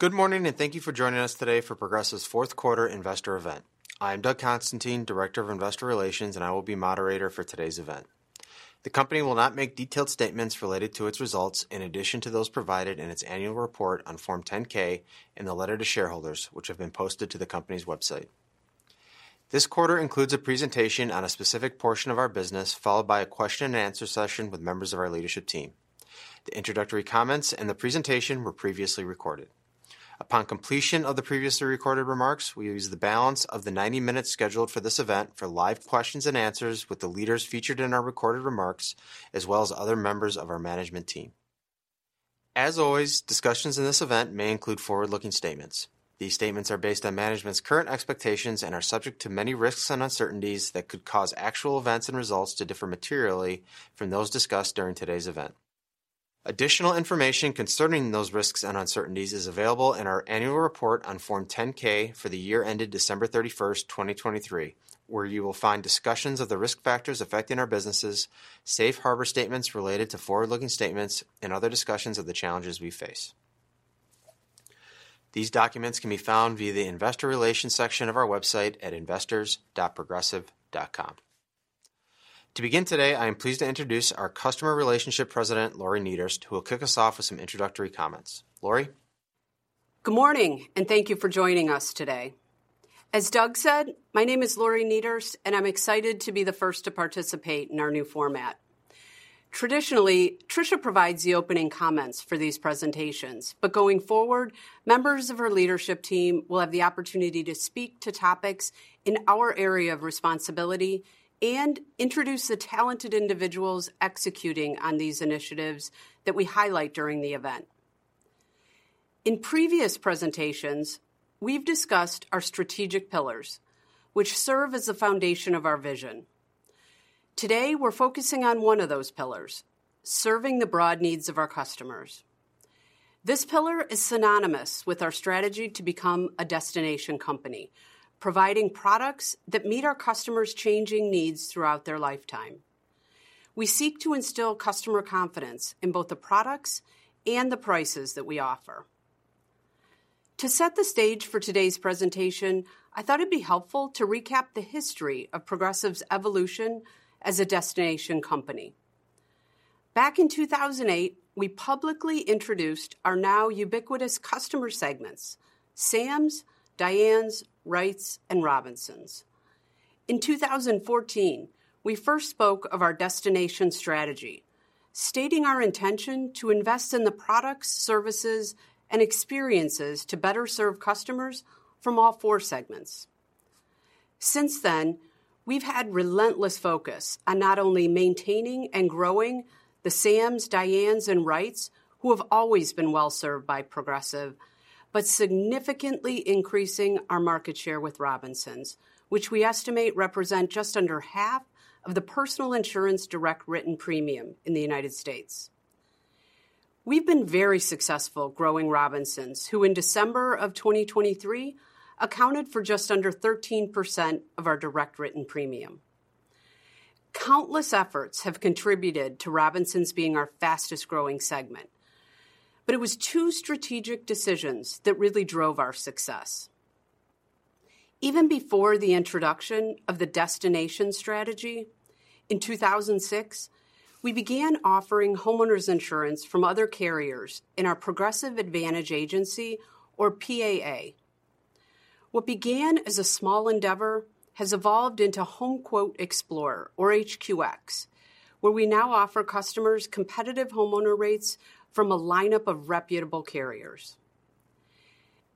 Good morning, and thank you for joining us today for Progressive's fourth quarter investor event. I am Doug Constantine, Director of Investor Relations, and I will be moderator for today's event. The company will not make detailed statements related to its results in addition to those provided in its annual report on Form 10-K and the letter to shareholders, which have been posted to the company's website. This quarter includes a presentation on a specific portion of our business followed by a question-and-answer session with members of our leadership team. The introductory comments and the presentation were previously recorded. Upon completion of the previously recorded remarks, we will use the balance of the 90 minutes scheduled for this event for live questions and answers with the leaders featured in our recorded remarks, as well as other members of our management team. As always, discussions in this event may include forward-looking statements. These statements are based on management's current expectations and are subject to many risks and uncertainties that could cause actual events and results to differ materially from those discussed during today's event. Additional information concerning those risks and uncertainties is available in our annual report on Form 10-K for the year ended December 31st, 2023, where you will find discussions of the risk factors affecting our businesses, safe harbor statements related to forward-looking statements, and other discussions of the challenges we face. These documents can be found via the Investor Relations section of our website at investors.progressive.com. To begin today, I am pleased to introduce our Customer Relationship President, Lori Niederst, who will kick us off with some introductory comments. Lori. Good morning, and thank you for joining us today. As Doug said, my name is Lori Niederst, and I'm excited to be the first to participate in our new format. Traditionally, Tricia provides the opening comments for these presentations, but going forward, members of her leadership team will have the opportunity to speak to topics in our area of responsibility and introduce the talented individuals executing on these initiatives that we highlight during the event. In previous presentations, we've discussed our strategic pillars, which serve as the foundation of our vision. Today, we're focusing on one of those pillars: serving the broad needs of our customers. This pillar is synonymous with our strategy to become a destination company, providing products that meet our customers' changing needs throughout their lifetime. We seek to instill customer confidence in both the products and the prices that we offer. To set the stage for today's presentation, I thought it'd be helpful to recap the history of Progressive's evolution as a destination company. Back in 2008, we publicly introduced our now ubiquitous customer segments: Sams, Dianes, Wrights, and Robinsons. In 2014, we first spoke of our destination strategy, stating our intention to invest in the products, services, and experiences to better serve customers from all four segments. Since then, we've had relentless focus on not only maintaining and growing the Sams, Dianes, and Wrights, who have always been well-served by Progressive, but significantly increasing our market share with Robinsons, which we estimate represent just under half of the personal insurance direct written premium in the United States. We've been very successful growing Robinsons, who in December of 2023 accounted for just under 13% of our direct written premium. Countless efforts have contributed to Robinsons being our fastest-growing segment, but it was two strategic decisions that really drove our success. Even before the introduction of the destination strategy, in 2006, we began offering homeowners insurance from other carriers in our Progressive Advantage Agency, or PAA. What began as a small endeavor has evolved into Home Quote Explorer, or HQX, where we now offer customers competitive homeowner rates from a lineup of reputable carriers.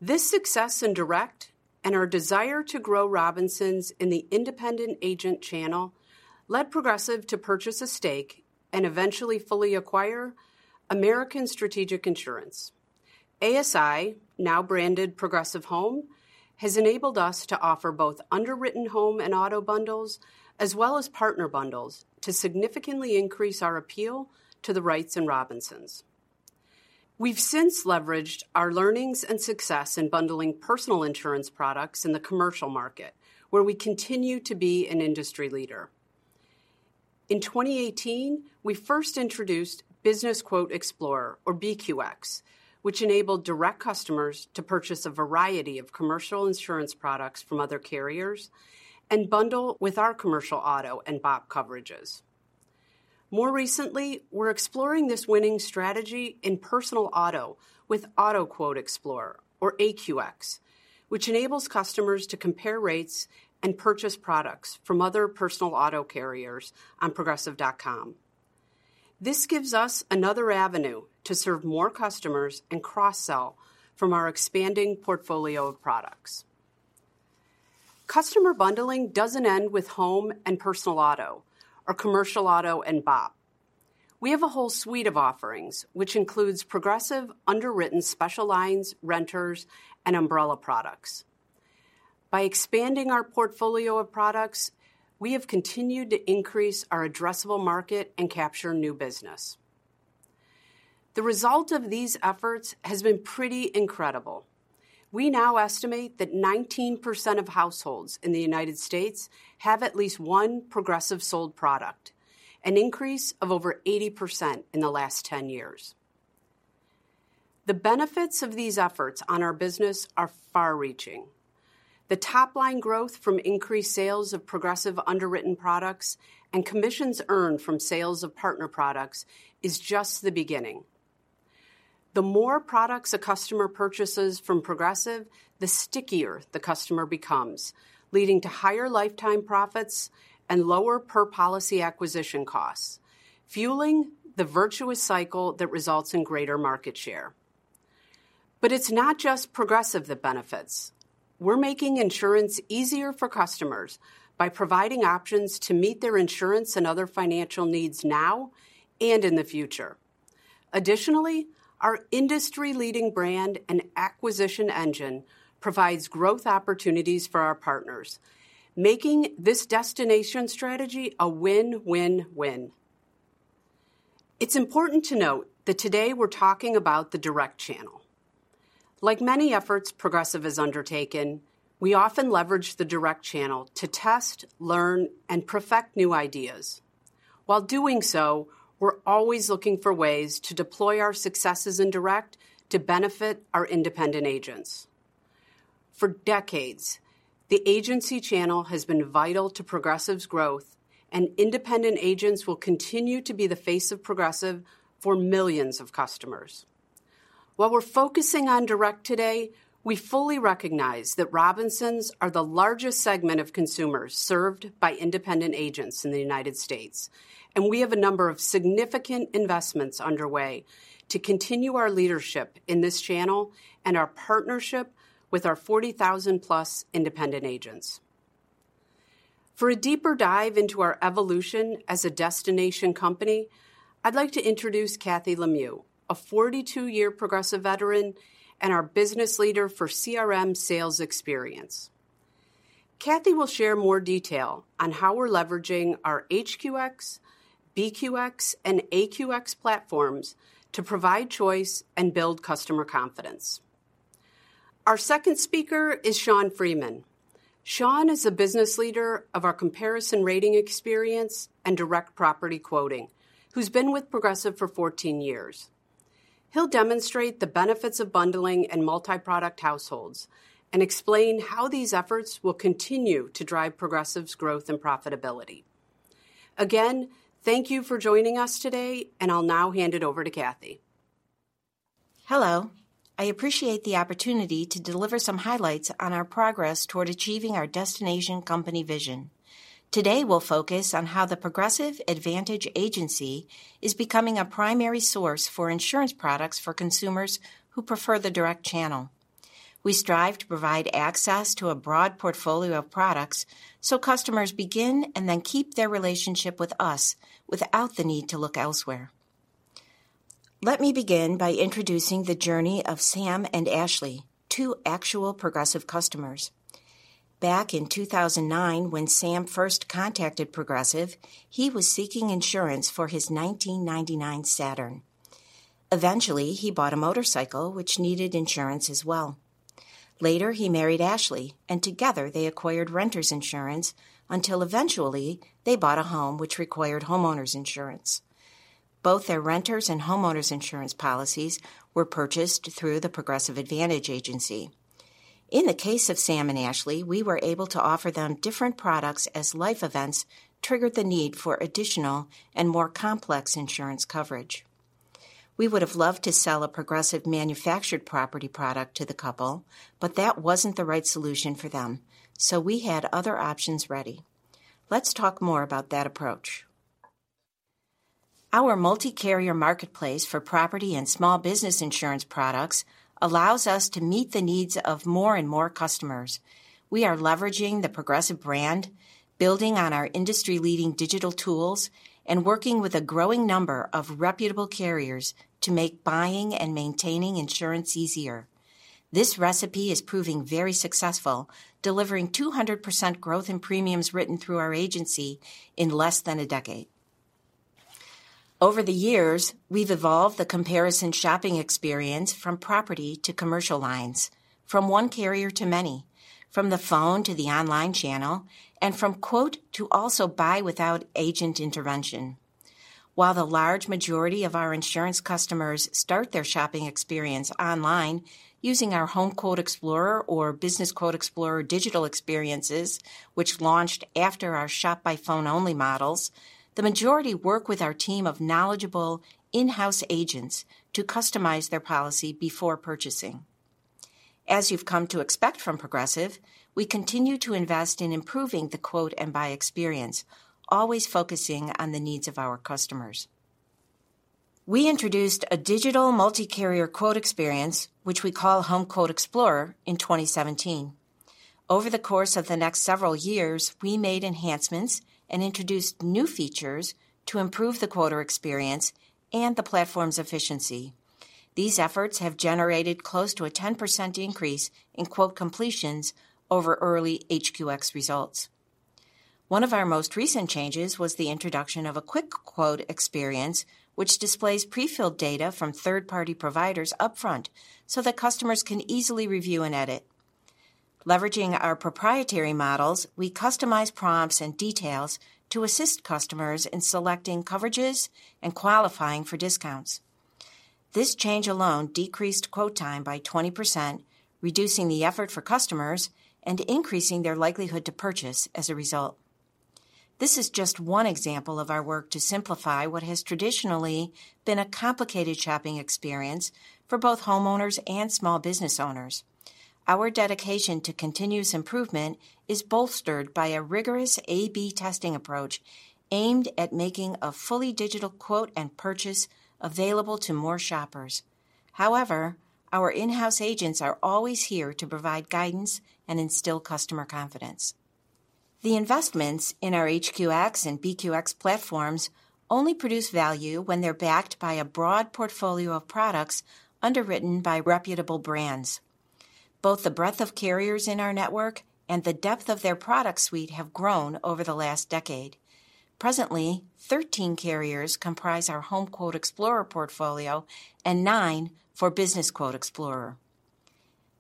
This success in Direct and our desire to grow Robinsons in the independent agent channel led Progressive to purchase a stake and eventually fully acquire American Strategic Insurance. ASI, now branded Progressive Home, has enabled us to offer both underwritten home and auto bundles, as well as partner bundles, to significantly increase our appeal to the Wrights and Robinsons. We've since leveraged our learnings and success in bundling personal insurance products in the commercial market, where we continue to be an industry leader. In 2018, we first introduced Business Quote Explorer, or BQX, which enabled Direct customers to purchase a variety of commercial insurance products from other carriers and bundle with our commercial auto and BOP coverages. More recently, we're exploring this winning strategy in personal auto with Auto Quote Explorer, or AQX, which enables customers to compare rates and purchase products from other personal auto carriers on Progressive.com. This gives us another avenue to serve more customers and cross-sell from our expanding portfolio of products. Customer bundling doesn't end with home and personal auto, or commercial auto and BOP. We have a whole suite of offerings, which includes Progressive underwritten special lines, renters, and umbrella products. By expanding our portfolio of products, we have continued to increase our addressable market and capture new business. The result of these efforts has been pretty incredible. We now estimate that 19% of households in the United States have at least one Progressive-sold product, an increase of over 80% in the last 10 years. The benefits of these efforts on our business are far-reaching. The top-line growth from increased sales of Progressive underwritten products and commissions earned from sales of partner products is just the beginning. The more products a customer purchases from Progressive, the stickier the customer becomes, leading to higher lifetime profits and lower per-policy acquisition costs, fueling the virtuous cycle that results in greater market share. But it's not just Progressive that benefits. We're making insurance easier for customers by providing options to meet their insurance and other financial needs now and in the future. Additionally, our industry-leading brand and acquisition engine provides growth opportunities for our partners, making this destination strategy a win-win-win. It's important to note that today we're talking about the Direct channel. Like many efforts Progressive has undertaken, we often leverage the Direct channel to test, learn, and perfect new ideas. While doing so, we're always looking for ways to deploy our successes in Direct to benefit our independent agents. For decades, the agency channel has been vital to Progressive's growth, and independent agents will continue to be the face of Progressive for millions of customers. While we're focusing on Direct today, we fully recognize that Robinsons are the largest segment of consumers served by independent agents in the United States, and we have a number of significant investments underway to continue our leadership in this channel and our partnership with our 40,000+ independent agents. For a deeper dive into our evolution as a destination company, I'd like to introduce Kathy Lemieux, a 42-year Progressive veteran and our business leader for CRM Sales Experience. Kathy will share more detail on how we're leveraging our HQX, BQX, and AQX platforms to provide choice and build customer confidence. Our second speaker is Sean Freeman. Sean is a business leader of our Comparison Rating Experience and direct property quoting, who's been with Progressive for 14 years. He'll demonstrate the benefits of bundling in multi-product households and explain how these efforts will continue to drive Progressive's growth and profitability. Again, thank you for joining us today, and I'll now hand it over to Kathy. Hello. I appreciate the opportunity to deliver some highlights on our progress toward achieving our Destination Company vision. Today, we'll focus on how the Progressive Advantage Agency is becoming a primary source for insurance products for consumers who prefer the Direct channel. We strive to provide access to a broad portfolio of products so customers begin and then keep their relationship with us without the need to look elsewhere. Let me begin by introducing the journey of Sam and Ashley, two actual Progressive customers. Back in 2009, when Sam first contacted Progressive, he was seeking insurance for his 1999 Saturn. Eventually, he bought a motorcycle, which needed insurance as well. Later, he married Ashley, and together they acquired renters insurance until eventually they bought a home, which required homeowners insurance. Both their renters and homeowners insurance policies were purchased through the Progressive Advantage Agency. In the case of Sam and Ashley, we were able to offer them different products as life events triggered the need for additional and more complex insurance coverage. We would have loved to sell a Progressive manufactured property product to the couple, but that wasn't the right solution for them, so we had other options ready. Let's talk more about that approach. Our multi-carrier marketplace for property and small business insurance products allows us to meet the needs of more and more customers. We are leveraging the Progressive brand, building on our industry-leading digital tools, and working with a growing number of reputable carriers to make buying and maintaining insurance easier. This recipe is proving very successful, delivering 200% growth in premiums written through our agency in less than a decade. Over the years, we've evolved the comparison shopping experience from property to commercial lines, from one carrier to many, from the phone to the online channel, and from quote to also buy without agent intervention. While the large majority of our insurance customers start their shopping experience online using our Home Quote Explorer or Business Quote Explorer digital experiences, which launched after our shop-by-phone-only models, the majority work with our team of knowledgeable in-house agents to customize their policy before purchasing. As you've come to expect from Progressive, we continue to invest in improving the quote and buy experience, always focusing on the needs of our customers. We introduced a digital multi-carrier quote experience, which we call Home Quote Explorer, in 2017. Over the course of the next several years, we made enhancements and introduced new features to improve the quoter experience and the platform's efficiency. These efforts have generated close to a 10% increase in quote completions over early HQX results. One of our most recent changes was the introduction of a quick quote experience, which displays prefilled data from third-party providers upfront so that customers can easily review and edit. Leveraging our proprietary models, we customize prompts and details to assist customers in selecting coverages and qualifying for discounts. This change alone decreased quote time by 20%, reducing the effort for customers and increasing their likelihood to purchase as a result. This is just one example of our work to simplify what has traditionally been a complicated shopping experience for both homeowners and small business owners. Our dedication to continuous improvement is bolstered by a rigorous A/B testing approach aimed at making a fully digital quote and purchase available to more shoppers. However, our in-house agents are always here to provide guidance and instill customer confidence. The investments in our HQX and BQX platforms only produce value when they're backed by a broad portfolio of products underwritten by reputable brands. Both the breadth of carriers in our network and the depth of their product suite have grown over the last decade. Presently, 13 carriers comprise our Home Quote Explorer portfolio and nine for Business Quote Explorer.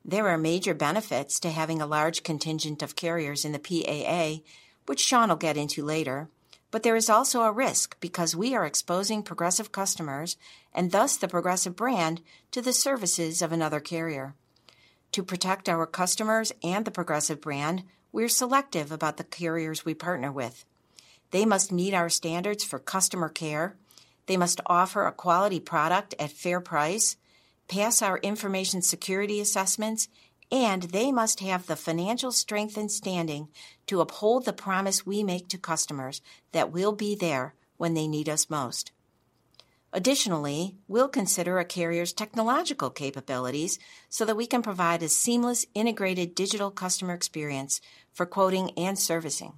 There are major benefits to having a large contingent of carriers in the PAA, which Sean will get into later, but there is also a risk because we are exposing Progressive customers and thus the Progressive brand to the services of another carrier. To protect our customers and the Progressive brand, we're selective about the carriers we partner with. They must meet our standards for customer care. They must offer a quality product at fair price, pass our information security assessments, and they must have the financial strength and standing to uphold the promise we make to customers that we'll be there when they need us most. Additionally, we'll consider a carrier's technological capabilities so that we can provide a seamless, integrated digital customer experience for quoting and servicing.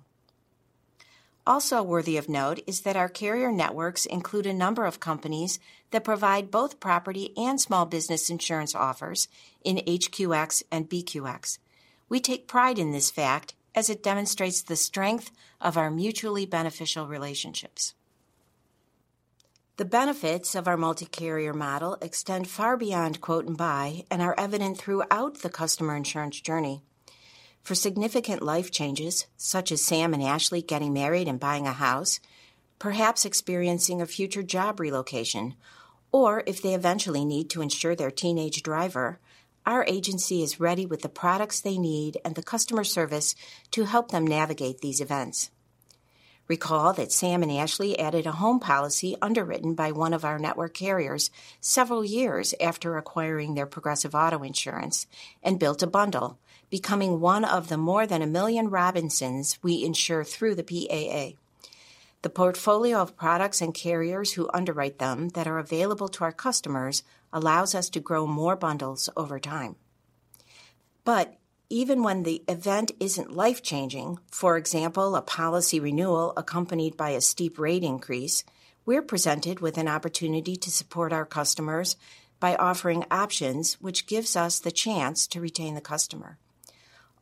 Also worthy of note is that our carrier networks include a number of companies that provide both property and small business insurance offers in HQX and BQX. We take pride in this fact, as it demonstrates the strength of our mutually beneficial relationships. The benefits of our multi-carrier model extend far beyond quote and buy and are evident throughout the customer insurance journey. For significant life changes, such as Sam and Ashley getting married and buying a house, perhaps experiencing a future job relocation, or if they eventually need to insure their teenage driver, our agency is ready with the products they need and the customer service to help them navigate these events. Recall that Sam and Ashley added a home policy underwritten by one of our network carriers several years after acquiring their Progressive Auto Insurance and built a bundle, becoming one of the more than 1 million Robinsons we insure through the PAA. The portfolio of products and carriers who underwrite them that are available to our customers allows us to grow more bundles over time. But even when the event isn't life-changing, for example, a policy renewal accompanied by a steep rate increase, we're presented with an opportunity to support our customers by offering options which gives us the chance to retain the customer.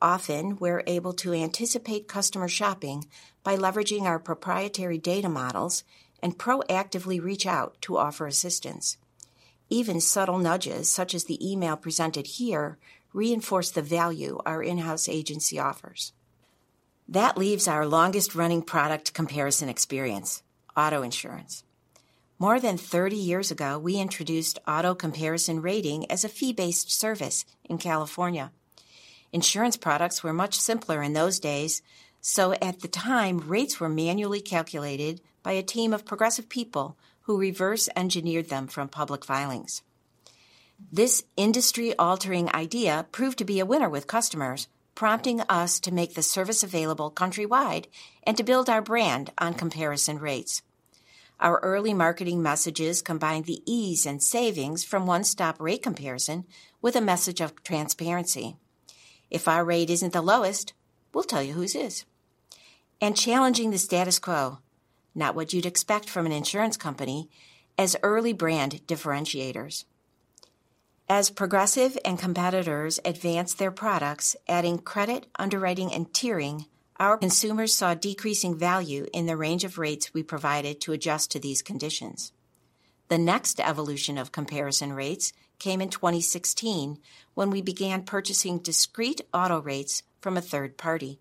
Often, we're able to anticipate customer shopping by leveraging our proprietary data models and proactively reach out to offer assistance. Even subtle nudges, such as the email presented here, reinforce the value our in-house agency offers. That leaves our longest-running product comparison experience: auto insurance. More than 30 years ago, we introduced auto comparison rating as a fee-based service in California. Insurance products were much simpler in those days, so at the time, rates were manually calculated by a team of Progressive people who reverse-engineered them from public filings. This industry-altering idea proved to be a winner with customers, prompting us to make the service available countrywide and to build our brand on comparison rates. Our early marketing messages combined the ease and savings from one-stop rate comparison with a message of transparency: if our rate isn't the lowest, we'll tell you whose is. Challenging the status quo, not what you'd expect from an insurance company, as early brand differentiators. As Progressive and competitors advanced their products, adding credit, underwriting, and tiering, our consumers saw decreasing value in the range of rates we provided to adjust to these conditions. The next evolution of comparison rates came in 2016 when we began purchasing discrete auto rates from a third party.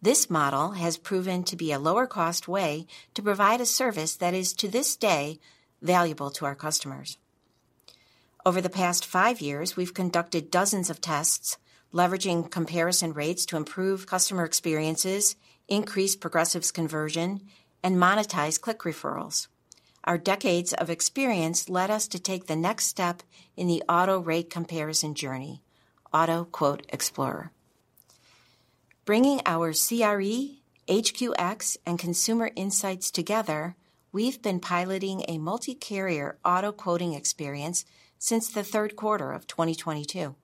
This model has proven to be a lower-cost way to provide a service that is, to this day, valuable to our customers. Over the past 5 years, we've conducted dozens of tests, leveraging comparison rates to improve customer experiences, increase Progressive's conversion, and monetize click referrals. Our decades of experience led us to take the next step in the auto rate comparison journey: Auto Quote Explorer. Bringing our CRE, HQX, and consumer insights together, we've been piloting a multi-carrier auto quoting experience since the third quarter of 2022.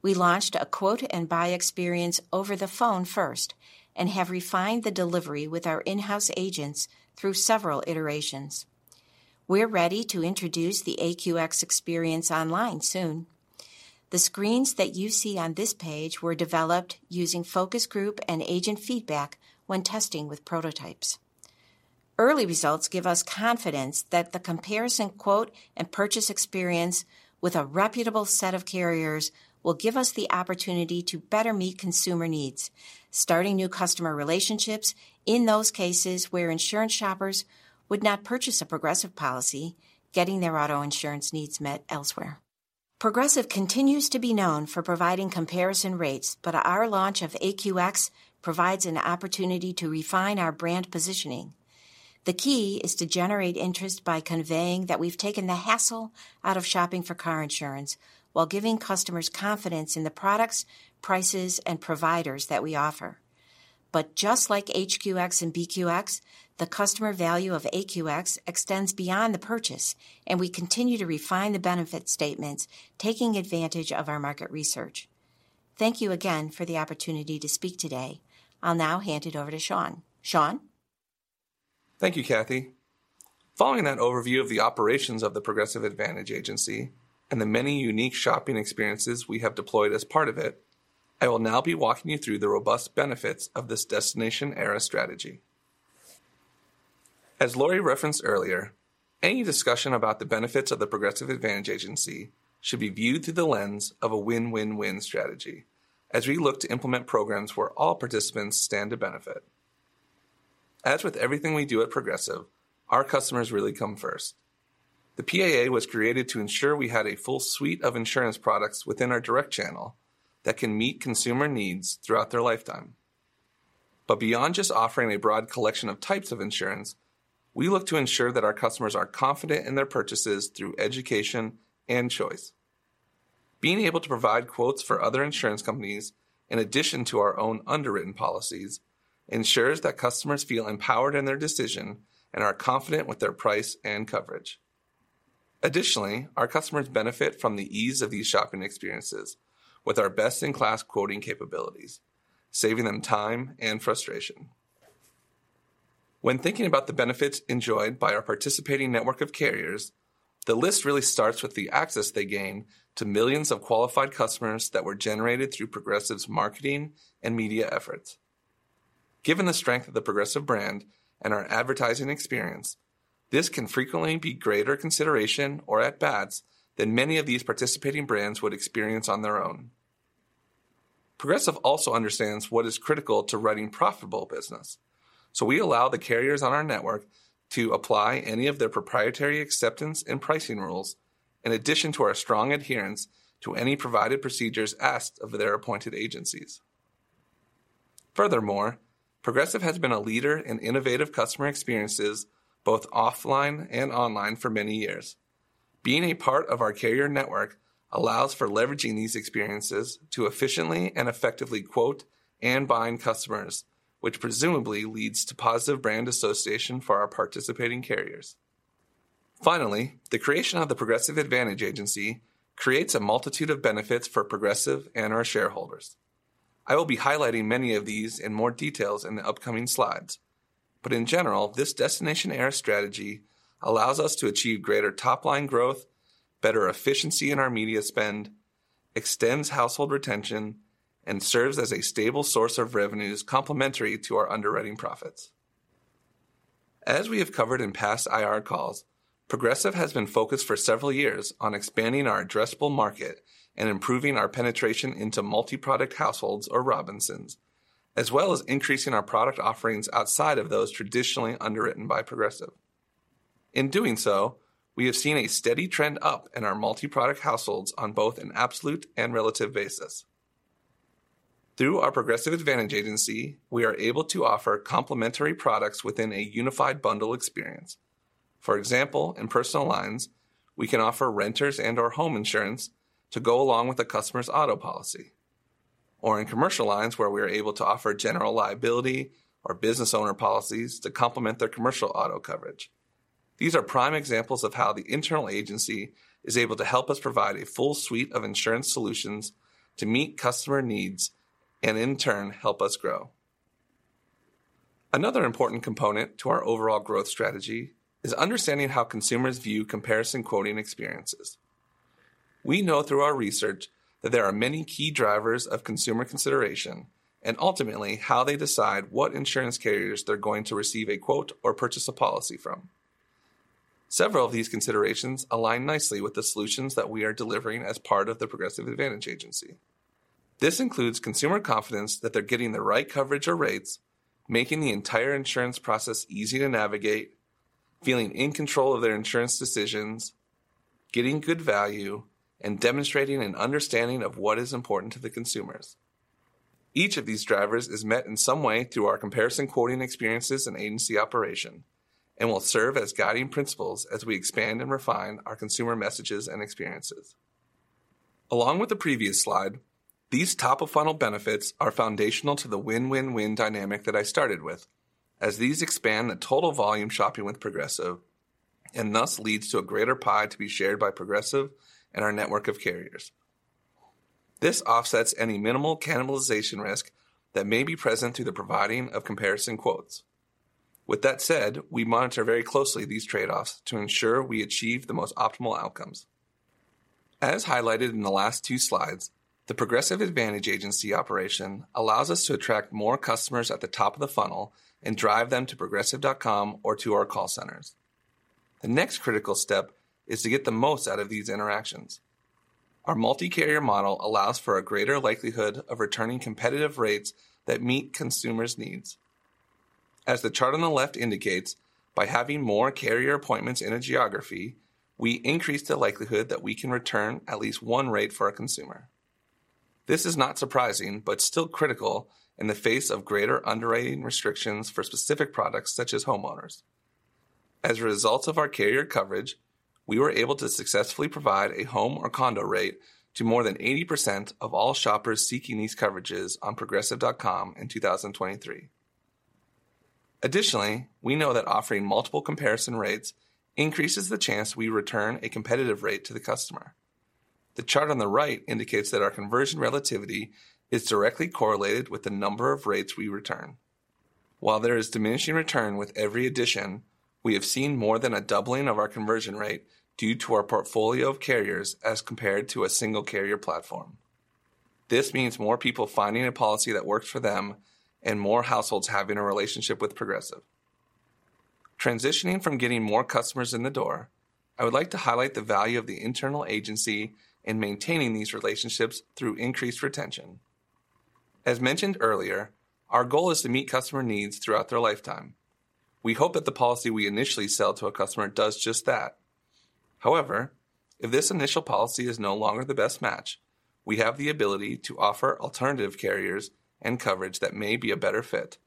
We launched a quote and buy experience over the phone first and have refined the delivery with our in-house agents through several iterations. We're ready to introduce the AQX experience online soon. The screens that you see on this page were developed using focus group and agent feedback when testing with prototypes. Early results give us confidence that the comparison quote and purchase experience with a reputable set of carriers will give us the opportunity to better meet consumer needs, starting new customer relationships in those cases where insurance shoppers would not purchase a Progressive policy, getting their auto insurance needs met elsewhere. Progressive continues to be known for providing comparison rates, but our launch of AQX provides an opportunity to refine our brand positioning. The key is to generate interest by conveying that we've taken the hassle out of shopping for car insurance while giving customers confidence in the products, prices, and providers that we offer. But just like HQX and BQX, the customer value of AQX extends beyond the purchase, and we continue to refine the benefit statements, taking advantage of our market research. Thank you again for the opportunity to speak today. I'll now hand it over to Sean. Sean? Thank you, Kathy. Following that overview of the operations of the Progressive Advantage Agency and the many unique shopping experiences we have deployed as part of it, I will now be walking you through the robust benefits of this Destination Era strategy. As Lori referenced earlier, any discussion about the benefits of the Progressive Advantage Agency should be viewed through the lens of a win-win-win strategy as we look to implement programs where all participants stand to benefit. As with everything we do at Progressive, our customers really come first. The PAA was created to ensure we had a full suite of insurance products within our direct channel that can meet consumer needs throughout their lifetime. But beyond just offering a broad collection of types of insurance, we look to ensure that our customers are confident in their purchases through education and choice. Being able to provide quotes for other insurance companies in addition to our own underwritten policies ensures that customers feel empowered in their decision and are confident with their price and coverage. Additionally, our customers benefit from the ease of these shopping experiences with our best-in-class quoting capabilities, saving them time and frustration. When thinking about the benefits enjoyed by our participating network of carriers, the list really starts with the access they gained to millions of qualified customers that were generated through Progressive's marketing and media efforts. Given the strength of the Progressive brand and our advertising experience, this can frequently be greater consideration or, at bats, than many of these participating brands would experience on their own. Progressive also understands what is critical to running profitable business, so we allow the carriers on our network to apply any of their proprietary acceptance and pricing rules in addition to our strong adherence to any provided procedures asked of their appointed agencies. Furthermore, Progressive has been a leader in innovative customer experiences both offline and online for many years. Being a part of our carrier network allows for leveraging these experiences to efficiently and effectively quote and bind customers, which presumably leads to positive brand association for our participating carriers. Finally, the creation of the Progressive Advantage Agency creates a multitude of benefits for Progressive and our shareholders. I will be highlighting many of these in more details in the upcoming slides. But in general, this destination-era strategy allows us to achieve greater top-line growth, better efficiency in our media spend, extends household retention, and serves as a stable source of revenues complementary to our underwriting profits. As we have covered in past IR calls, Progressive has been focused for several years on expanding our addressable market and improving our penetration into multi-product households or Robinsons, as well as increasing our product offerings outside of those traditionally underwritten by Progressive. In doing so, we have seen a steady trend up in our multi-product households on both an absolute and relative basis. Through our Progressive Advantage Agency, we are able to offer complementary products within a unified bundle experience. For example, in personal lines, we can offer renters and/or home insurance to go along with a customer's auto policy. Or in commercial lines, where we are able to offer general liability or business owner policies to complement their commercial auto coverage. These are prime examples of how the internal agency is able to help us provide a full suite of insurance solutions to meet customer needs and, in turn, help us grow. Another important component to our overall growth strategy is understanding how consumers view comparison quoting experiences. We know through our research that there are many key drivers of consumer consideration and, ultimately, how they decide what insurance carriers they're going to receive a quote or purchase a policy from. Several of these considerations align nicely with the solutions that we are delivering as part of the Progressive Advantage Agency. This includes consumer confidence that they're getting the right coverage or rates, making the entire insurance process easy to navigate, feeling in control of their insurance decisions, getting good value, and demonstrating an understanding of what is important to the consumers. Each of these drivers is met in some way through our comparison quoting experiences and agency operation and will serve as guiding principles as we expand and refine our consumer messages and experiences. Along with the previous slide, these top-of-funnel benefits are foundational to the win-win-win dynamic that I started with, as these expand the total volume shopping with Progressive and thus lead to a greater pie to be shared by Progressive and our network of carriers. This offsets any minimal cannibalization risk that may be present through the providing of comparison quotes. With that said, we monitor very closely these trade-offs to ensure we achieve the most optimal outcomes. As highlighted in the last two slides, the Progressive Advantage Agency operation allows us to attract more customers at the top of the funnel and drive them to Progressive.com or to our call centers. The next critical step is to get the most out of these interactions. Our multi-carrier model allows for a greater likelihood of returning competitive rates that meet consumers' needs. As the chart on the left indicates, by having more carrier appointments in a geography, we increase the likelihood that we can return at least one rate for a consumer. This is not surprising but still critical in the face of greater underwriting restrictions for specific products such as homeowners. As a result of our carrier coverage, we were able to successfully provide a home or condo rate to more than 80% of all shoppers seeking these coverages on Progressive.com in 2023. Additionally, we know that offering multiple comparison rates increases the chance we return a competitive rate to the customer. The chart on the right indicates that our conversion relativity is directly correlated with the number of rates we return. While there is diminishing return with every addition, we have seen more than a doubling of our conversion rate due to our portfolio of carriers as compared to a single carrier platform. This means more people finding a policy that works for them and more households having a relationship with Progressive. Transitioning from getting more customers in the door, I would like to highlight the value of the internal agency in maintaining these relationships through increased retention. As mentioned earlier, our goal is to meet customer needs throughout their lifetime. We hope that the policy we initially sell to a customer does just that. However, if this initial policy is no longer the best match, we have the ability to offer alternative carriers and coverage that may be a better fit.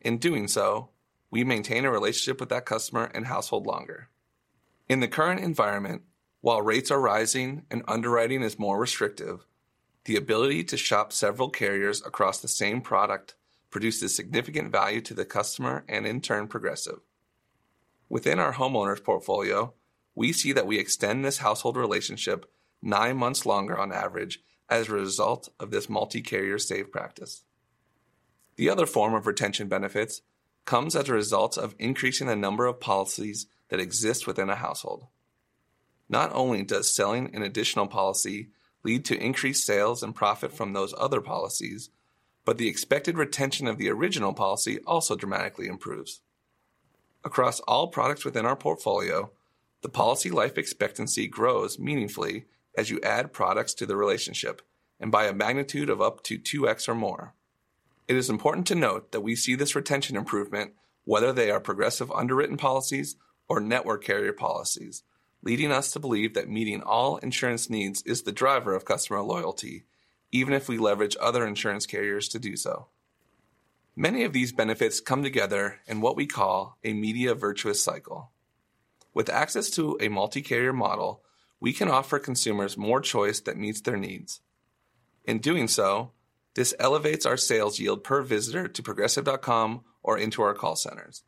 In doing so, we maintain a relationship with that customer and household longer. In the current environment, while rates are rising and underwriting is more restrictive, the ability to shop several carriers across the same product produces significant value to the customer and, in turn, Progressive. Within our homeowners' portfolio, we see that we extend this household relationship nine months longer on average as a result of this multi-carrier save practice. The other form of retention benefits comes as a result of increasing the number of policies that exist within a household. Not only does selling an additional policy lead to increased sales and profit from those other policies, but the expected retention of the original policy also dramatically improves. Across all products within our portfolio, the policy life expectancy grows meaningfully as you add products to the relationship and by a magnitude of up to 2x or more. It is important to note that we see this retention improvement whether they are Progressive underwritten policies or network carrier policies, leading us to believe that meeting all insurance needs is the driver of customer loyalty, even if we leverage other insurance carriers to do so. Many of these benefits come together in what we call a multi-virtuous cycle. With access to a multi-carrier model, we can offer consumers more choice that meets their needs. In doing so, this elevates our sales yield per visitor to progressive.com or into our call centers.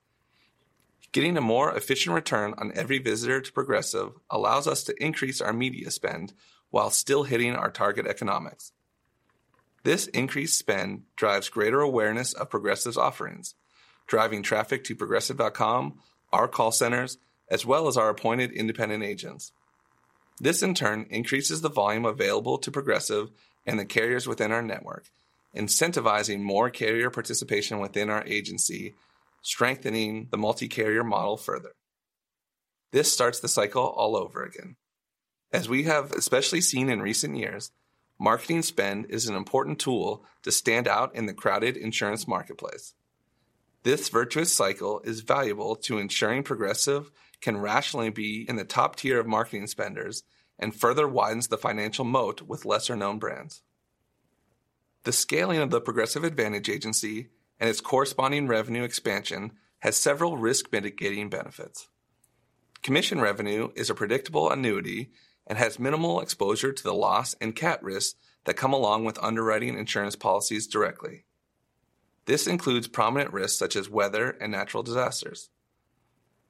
Getting a more efficient return on every visitor to Progressive allows us to increase our media spend while still hitting our target economics. This increased spend drives greater awareness of Progressive's offerings, driving traffic to progressive.com, our call centers, as well as our appointed independent agents. This, in turn, increases the volume available to Progressive and the carriers within our network, incentivizing more carrier participation within our agency, strengthening the multi-carrier model further. This starts the cycle all over again. As we have especially seen in recent years, marketing spend is an important tool to stand out in the crowded insurance marketplace. This virtuous cycle is valuable to ensuring Progressive can rationally be in the top tier of marketing spenders and further widens the financial moat with lesser-known brands. The scaling of the Progressive Advantage Agency and its corresponding revenue expansion has several risk mitigating benefits. Commission revenue is a predictable annuity and has minimal exposure to the loss and cat risks that come along with underwriting insurance policies directly. This includes prominent risks such as weather and natural disasters.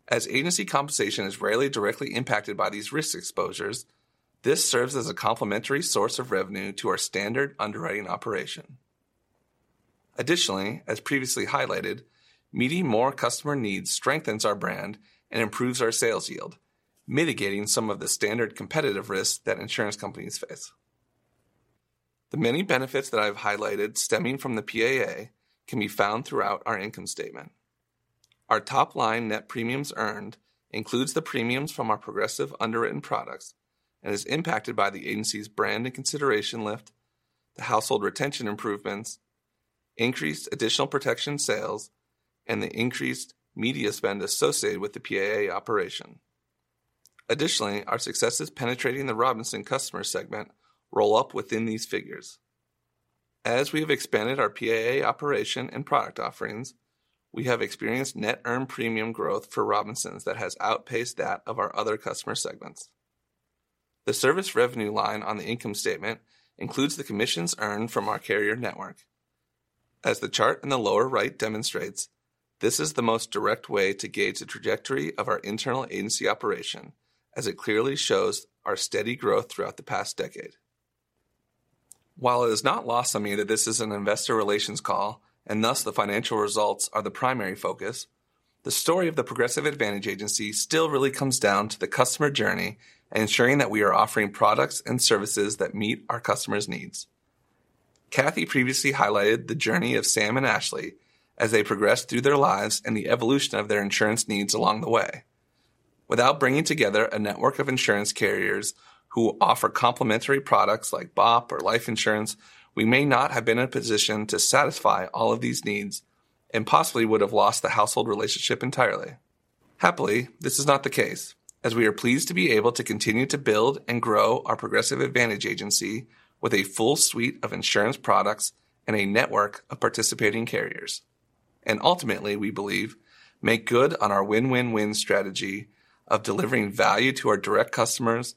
As agency compensation is rarely directly impacted by these risk exposures, this serves as a complementary source of revenue to our standard underwriting operation. Additionally, as previously highlighted, meeting more customer needs strengthens our brand and improves our sales yield, mitigating some of the standard competitive risks that insurance companies face. The many benefits that I have highlighted stemming from the PAA can be found throughout our income statement. Our top-line net premiums earned includes the premiums from our Progressive underwritten products and is impacted by the agency's brand and consideration lift, the household retention improvements, increased additional protection sales, and the increased media spend associated with the PAA operation. Additionally, our successes penetrating the Robinsons customer segment roll up within these figures. As we have expanded our PAA operation and product offerings, we have experienced net earned premium growth for Robinsons that has outpaced that of our other customer segments. The service revenue line on the income statement includes the commissions earned from our carrier network. As the chart in the lower right demonstrates, this is the most direct way to gauge the trajectory of our internal agency operation, as it clearly shows our steady growth throughout the past decade. While it is not loss-oriented, this is an investor relations call, and thus the financial results are the primary focus. The story of the Progressive Advantage Agency still really comes down to the customer journey and ensuring that we are offering products and services that meet our customers' needs. Kathy previously highlighted the journey of Sam and Ashley as they progressed through their lives and the evolution of their insurance needs along the way. Without bringing together a network of insurance carriers who offer complementary products like BOP or life insurance, we may not have been in a position to satisfy all of these needs and possibly would have lost the household relationship entirely. Happily, this is not the case, as we are pleased to be able to continue to build and grow our Progressive Advantage Agency with a full suite of insurance products and a network of participating carriers. And ultimately, we believe, make good on our win-win-win strategy of delivering value to our direct customers,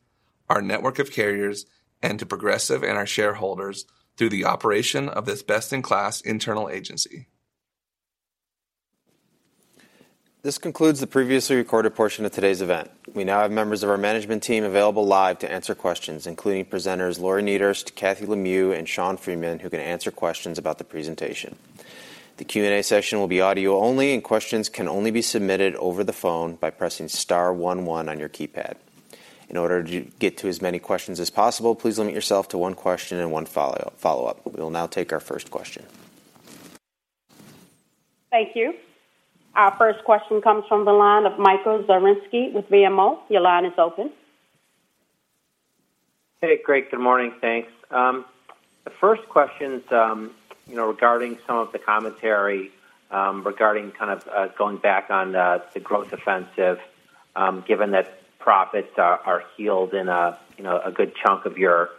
our network of carriers, and to Progressive and our shareholders through the operation of this best-in-class internal agency. This concludes the previously recorded portion of today's event. We now have members of our management team available live to answer questions, including presenters Lori Niederst, Kathy Lemieux, and Sean Freeman, who can answer questions about the presentation. The Q&A session will be audio-only, and questions can only be submitted over the phone by pressing star one one on your keypad. In order to get to as many questions as possible, please limit yourself to one question and one follow-up. We will now take our first question. Thank you. Our first question comes from the line of Michael Zaremski with BMO. Your line is open. Hey, great. Good morning. Thanks. The first question's regarding some of the commentary regarding kind of going back on the growth offensive, given that profits are healed in a good chunk of your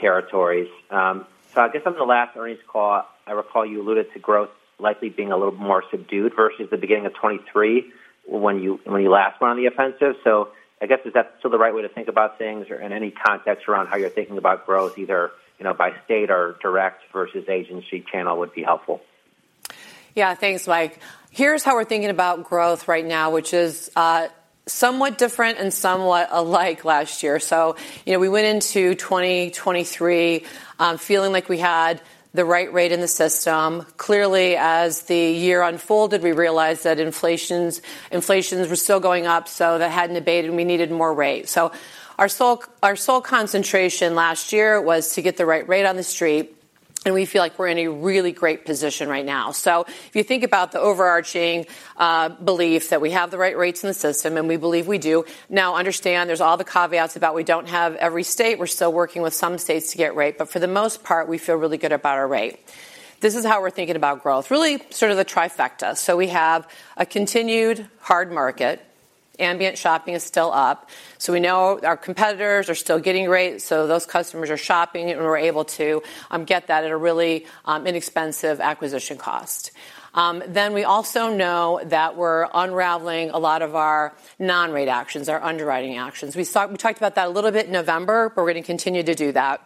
territories. So I guess on the last earnings call, I recall you alluded to growth likely being a little more subdued versus the beginning of 2023 when you last went on the offensive. So I guess, is that still the right way to think about things or in any context around how you're thinking about growth, either by state or direct versus agency channel would be helpful? Yeah, thanks, Mike. Here's how we're thinking about growth right now, which is somewhat different and somewhat alike last year. So we went into 2023 feeling like we had the right rate in the system. Clearly, as the year unfolded, we realized that inflations were still going up, so that hadn't abated, and we needed more rates. So our sole concentration last year was to get the right rate on the street, and we feel like we're in a really great position right now. So if you think about the overarching belief that we have the right rates in the system, and we believe we do, now understand there's all the caveats about we don't have every state. We're still working with some states to get rate, but for the most part, we feel really good about our rate. This is how we're thinking about growth, really sort of the trifecta. So we have a continued hard market. Ambient shopping is still up. So we know our competitors are still getting rates, so those customers are shopping, and we're able to get that at a really inexpensive acquisition cost. Then we also know that we're unraveling a lot of our non-rate actions, our underwriting actions. We talked about that a little bit in November, but we're going to continue to do that.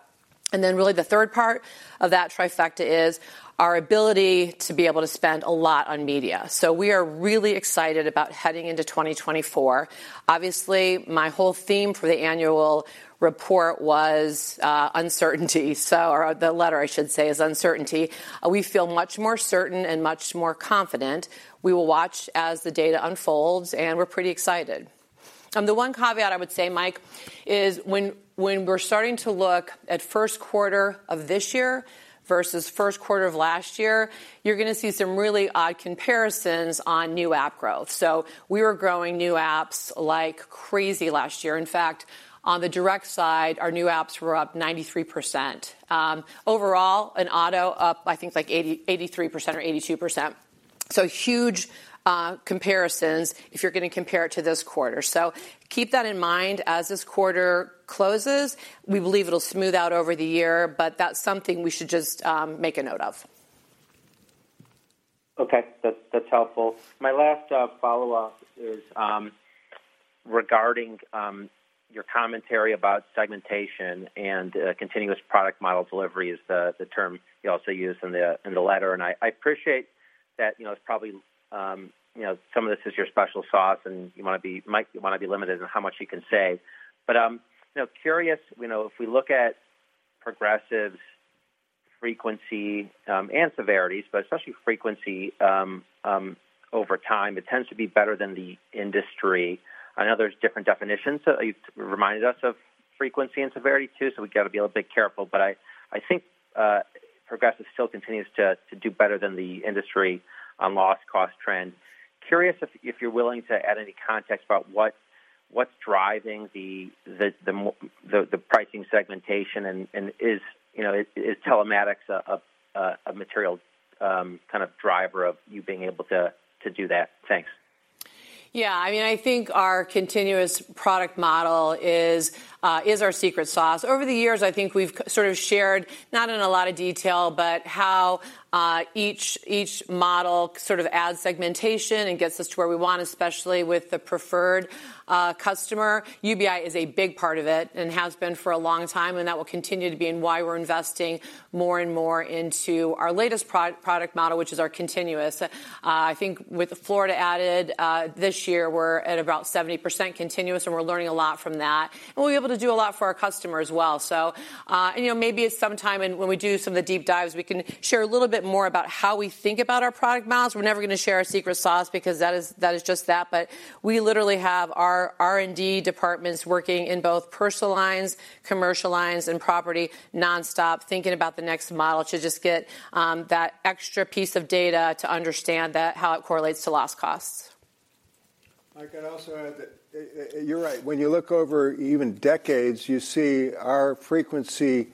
And then really, the third part of that trifecta is our ability to be able to spend a lot on media. So we are really excited about heading into 2024. Obviously, my whole theme for the annual report was uncertainty, so the letter, I should say, is uncertainty. We feel much more certain and much more confident. We will watch as the data unfolds, and we're pretty excited. The one caveat, I would say, Mike, is when we're starting to look at first quarter of this year versus first quarter of last year, you're going to see some really odd comparisons on new app growth. So we were growing new apps like crazy last year. In fact, on the direct side, our new apps were up 93%. Overall, an auto up, I think, like 83% or 82%. So huge comparisons if you're going to compare it to this quarter. So keep that in mind as this quarter closes. We believe it'll smooth out over the year, but that's something we should just make a note of. Okay, that's helpful. My last follow-up is regarding your commentary about segmentation and Continuous Product Model delivery, the term you also used in the letter. I appreciate that it's probably some of this is your special sauce, and you want to be limited in how much you can say. Curious, if we look at Progressive's frequency and severities, but especially frequency over time, it tends to be better than the industry. I know there's different definitions. You've reminded us of frequency and severity, too, so we've got to be a little bit careful. I think Progressive still continues to do better than the industry on loss-cost trend. Curious if you're willing to add any context about what's driving the pricing segmentation, and is telematics a material kind of driver of you being able to do that? Thanks. Yeah, I mean, I think our Continuous Product Model is our secret sauce. Over the years, I think we've sort of shared, not in a lot of detail, but how each model sort of adds segmentation and gets us to where we want, especially with the preferred customer. UBI is a big part of it and has been for a long time, and that will continue to be in why we're investing more and more into our latest product model, which is our continuous. I think with Florida added this year, we're at about 70% continuous, and we're learning a lot from that. And we'll be able to do a lot for our customer as well. So maybe sometime when we do some of the deep dives, we can share a little bit more about how we think about our product models. We're never going to share our secret sauce because that is just that. But we literally have our R&D departments working in both personal lines, commercial lines, and property nonstop, thinking about the next model to just get that extra piece of data to understand how it correlates to loss costs. Mike, I'd also add that you're right. When you look over even decades, you see our frequency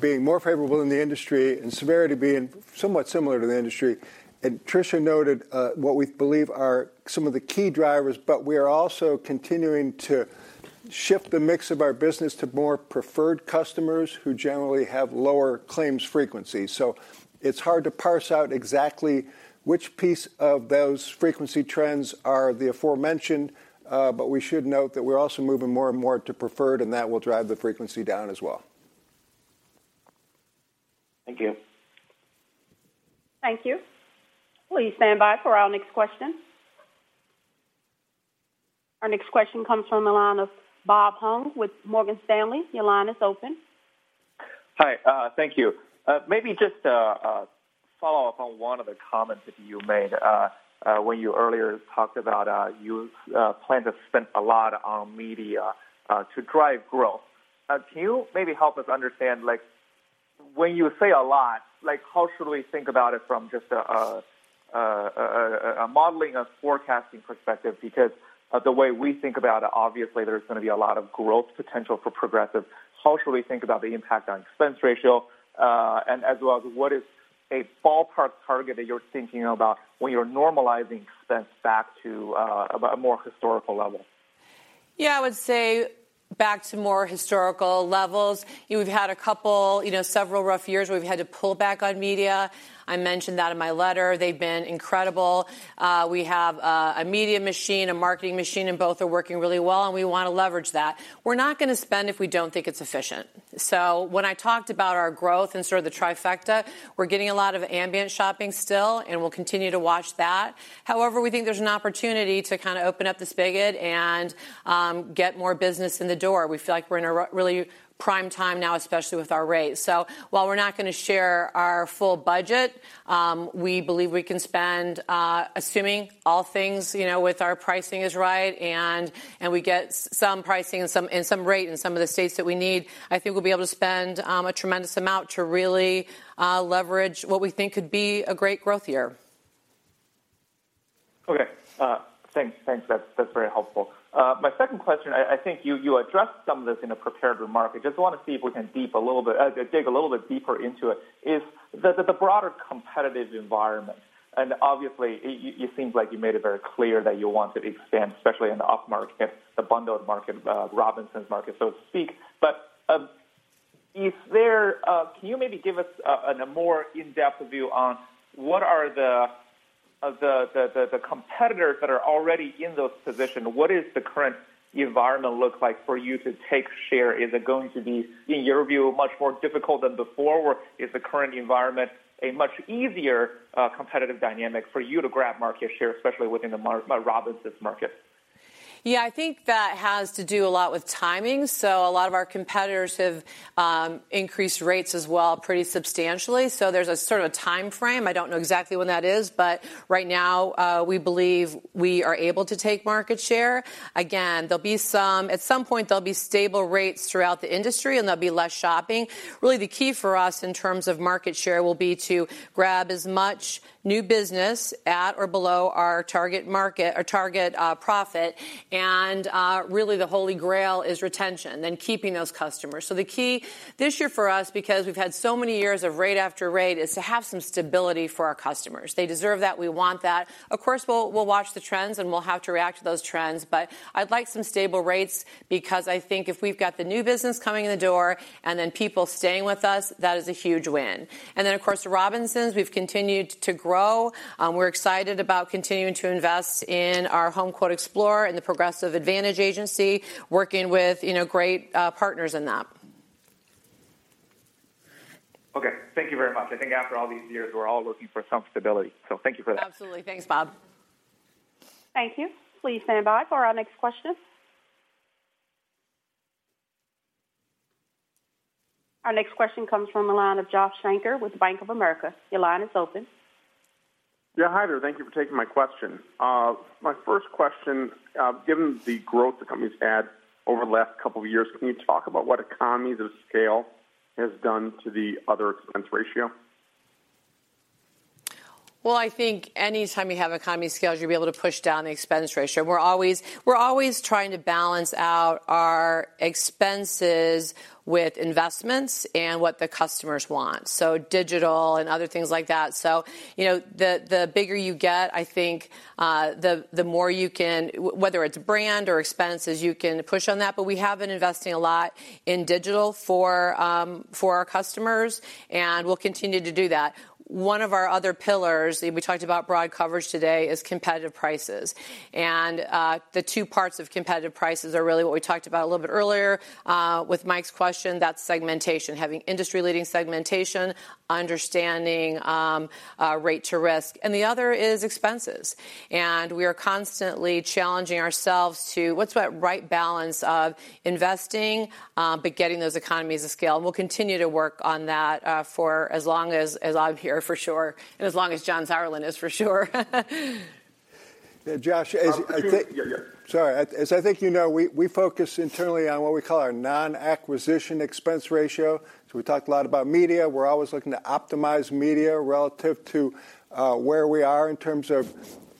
being more favorable in the industry and severity being somewhat similar to the industry. And Tricia noted what we believe are some of the key drivers, but we are also continuing to shift the mix of our business to more preferred customers who generally have lower claims frequencies. So it's hard to parse out exactly which piece of those frequency trends are the aforementioned, but we should note that we're also moving more and more to preferred, and that will drive the frequency down as well. Thank you. Thank you. Will you stand by for our next question? Our next question comes from the line of Bob Huang with Morgan Stanley. Your line is open. Hi, thank you. Maybe just a follow-up on one of the comments that you made when you earlier talked about your plan to spend a lot on media to drive growth. Can you maybe help us understand when you say a lot, how should we think about it from just a modeling and forecasting perspective? Because of the way we think about it, obviously, there's going to be a lot of growth potential for Progressive. How should we think about the impact on expense ratio, and as well as what is a ballpark target that you're thinking about when you're normalizing expense back to a more historical level? Yeah, I would say back to more historical levels. We've had several rough years where we've had to pull back on media. I mentioned that in my letter. They've been incredible. We have a media machine, a marketing machine, and both are working really well, and we want to leverage that. We're not going to spend if we don't think it's efficient. So when I talked about our growth and sort of the trifecta, we're getting a lot of ambient shopping still, and we'll continue to watch that. However, we think there's an opportunity to kind of open up the spigot and get more business in the door. We feel like we're in a really prime time now, especially with our rates. While we're not going to share our full budget, we believe we can spend, assuming all things with our pricing is right and we get some pricing and some rate in some of the states that we need, I think we'll be able to spend a tremendous amount to really leverage what we think could be a great growth year. Okay, thanks. That's very helpful. My second question, I think you addressed some of this in a prepared remark. I just want to see if we can dig a little bit deeper into it. It's the broader competitive environment. And obviously, it seems like you made it very clear that you want to expand, especially in the upmarket, the bundled market, Robinsons market, so to speak. But can you maybe give us a more in-depth view on what are the competitors that are already in those positions? What does the current environment look like for you to take share? Is it going to be, in your view, much more difficult than before, or is the current environment a much easier competitive dynamic for you to grab market share, especially within the Robinsons market? Yeah, I think that has to do a lot with timing. So a lot of our competitors have increased rates as well pretty substantially. So there's sort of a time frame. I don't know exactly when that is, but right now, we believe we are able to take market share. Again, at some point, there'll be stable rates throughout the industry, and there'll be less shopping. Really, the key for us in terms of market share will be to grab as much new business at or below our target profit. And really, the holy grail is retention and keeping those customers. So the key this year for us, because we've had so many years of rate after rate, is to have some stability for our customers. They deserve that. We want that. Of course, we'll watch the trends, and we'll have to react to those trends. But I'd like some stable rates because I think if we've got the new business coming in the door and then people staying with us, that is a huge win. And then, of course, Robinsons, we've continued to grow. We're excited about continuing to invest in our Home Quote Explorer, in the Progressive Advantage Agency, working with great partners in that. Okay, thank you very much. I think after all these years, we're all looking for some stability. So thank you for that. Absolutely. Thanks, Bob. Thank you. Will you stand by for our next question? Our next question comes from the line of Josh Shanker with the Bank of America. Your line is open. Yeah, hi there. Thank you for taking my question. My first question, given the growth the companies had over the last couple of years, can you talk about what economies of scale has done to the other expense ratio? Well, I think anytime you have economies of scale, you'll be able to push down the expense ratio. We're always trying to balance out our expenses with investments and what the customers want, so digital and other things like that. So the bigger you get, I think the more you can, whether it's brand or expenses, you can push on that. But we have been investing a lot in digital for our customers, and we'll continue to do that. One of our other pillars, and we talked about broad coverage today, is competitive prices. And the two parts of competitive prices are really what we talked about a little bit earlier with Mike's question, that segmentation, having industry-leading segmentation, understanding rate to risk. And the other is expenses. And we are constantly challenging ourselves to what's that right balance of investing but getting those economies of scale. We'll continue to work on that for as long as I'm here, for sure, and as long as John Sauerland is, for sure. Josh, I think. Yeah, yeah. Sorry. As I think you know, we focus internally on what we call our non-acquisition expense ratio. So we talked a lot about media. We're always looking to optimize media relative to where we are in terms of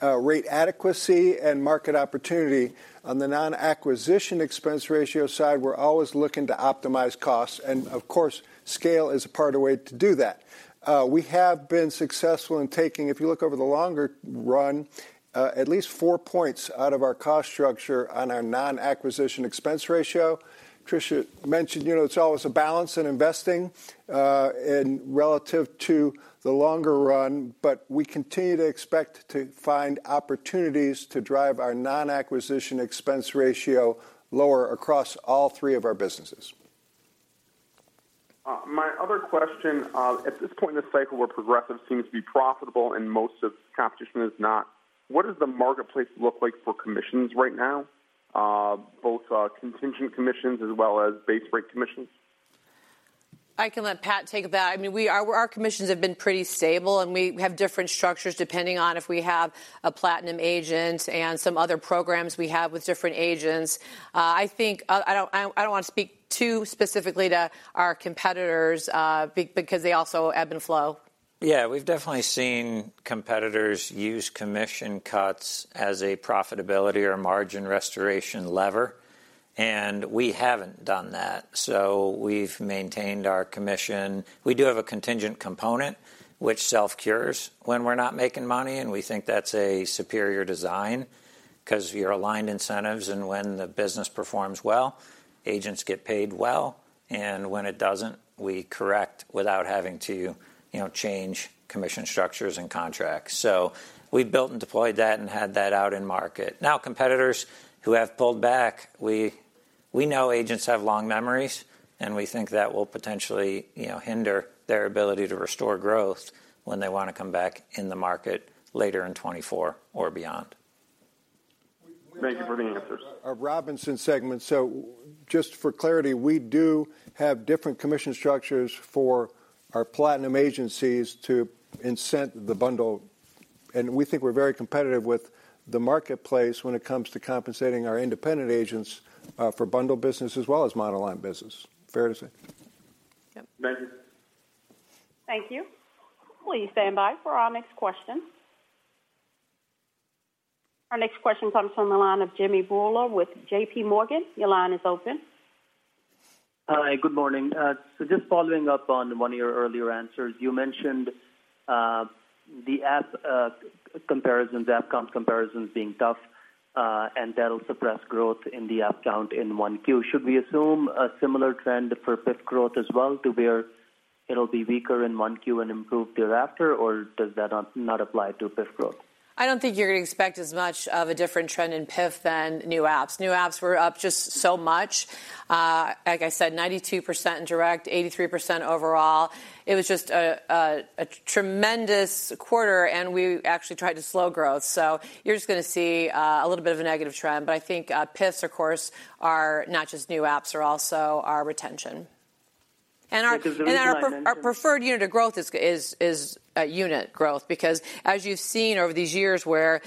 rate adequacy and market opportunity. On the non-acquisition expense ratio side, we're always looking to optimize costs. And of course, scale is a part of the way to do that. We have been successful in taking, if you look over the longer run, at least four points out of our cost structure on our non-acquisition expense ratio. Tricia mentioned it's always a balance in investing relative to the longer run, but we continue to expect to find opportunities to drive our non-acquisition expense ratio lower across all three of our businesses. My other question, at this point in the cycle, where Progressive seems to be profitable and most of the competition is not, what does the marketplace look like for commissions right now, both contingent commissions as well as base rate commissions? I can let Pat take that. I mean, our commissions have been pretty stable, and we have different structures depending on if we have a Platinum agent and some other programs we have with different agents. I don't want to speak too specifically to our competitors because they also ebb and flow. Yeah, we've definitely seen competitors use commission cuts as a profitability or margin restoration lever. And we haven't done that. So we've maintained our commission. We do have a contingent component, which self-cures when we're not making money. And we think that's a superior design because you're aligned incentives. And when the business performs well, agents get paid well. And when it doesn't, we correct without having to change commission structures and contracts. So we've built and deployed that and had that out in market. Now, competitors who have pulled back, we know agents have long memories, and we think that will potentially hinder their ability to restore growth when they want to come back in the market later in 2024 or beyond. Thank you for the answers. Our Robinsons segment. So just for clarity, we do have different commission structures for our Platinum agencies to incent the bundle. And we think we're very competitive with the marketplace when it comes to compensating our independent agents for bundle business as well as monoline business, fair to say? Yep. Thank you. Will you stand by for our next question? Our next question comes from the line of Jimmy Bhullar with JPMorgan. Your line is open. Hi, good morning. So just following up on one of your earlier answers, you mentioned the AQX comparisons, AQX count comparisons being tough, and that'll suppress growth in the AQX count in Q1. Should we assume a similar trend for PIF growth as well to where it'll be weaker in Q1 and improved thereafter, or does that not apply to PIF growth? I don't think you're going to expect as much of a different trend in PIF than new apps. New apps were up just so much. Like I said, 92% in direct, 83% overall. It was just a tremendous quarter, and we actually tried to slow growth. So you're just going to see a little bit of a negative trend. But I think PIFs, of course, are not just new apps, they're also our retention. And our preferred unit of growth is unit growth because, as you've seen over these years where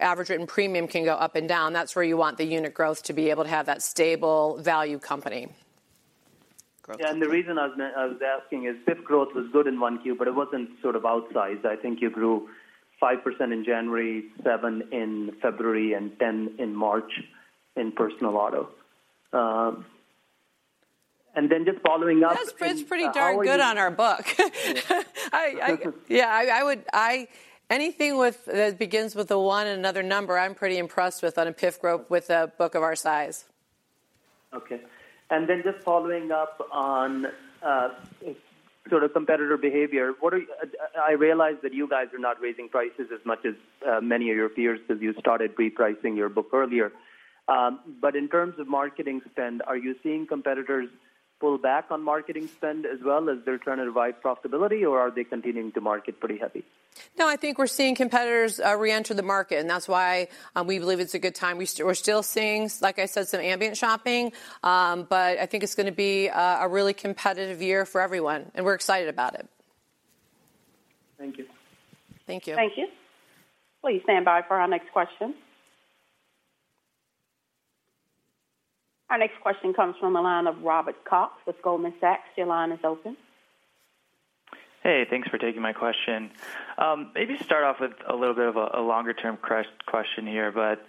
average rate and premium can go up and down, that's where you want the unit growth to be able to have that stable value company. Yeah, and the reason I was asking is PIF growth was good in Q1, but it wasn't sort of outsized. I think you grew 5% in January, 7% in February, and 10% in March in personal auto. And then just following up. That's pretty darn good on our book. Yeah, anything that begins with a one and another number, I'm pretty impressed with on a PIF growth with a book of our size. Okay. And then just following up on sort of competitor behavior, I realize that you guys are not raising prices as much as many of your peers because you started repricing your book earlier. But in terms of marketing spend, are you seeing competitors pull back on marketing spend as well as they're trying to revive profitability, or are they continuing to market pretty heavy? No, I think we're seeing competitors reenter the market, and that's why we believe it's a good time. We're still seeing, like I said, some ambient shopping, but I think it's going to be a really competitive year for everyone, and we're excited about it. Thank you. Thank you. Thank you. Will you stand by for our next question? Our next question comes from the line of Robert Cox with Goldman Sachs. Your line is open. Hey, thanks for taking my question. Maybe start off with a little bit of a longer-term question here. But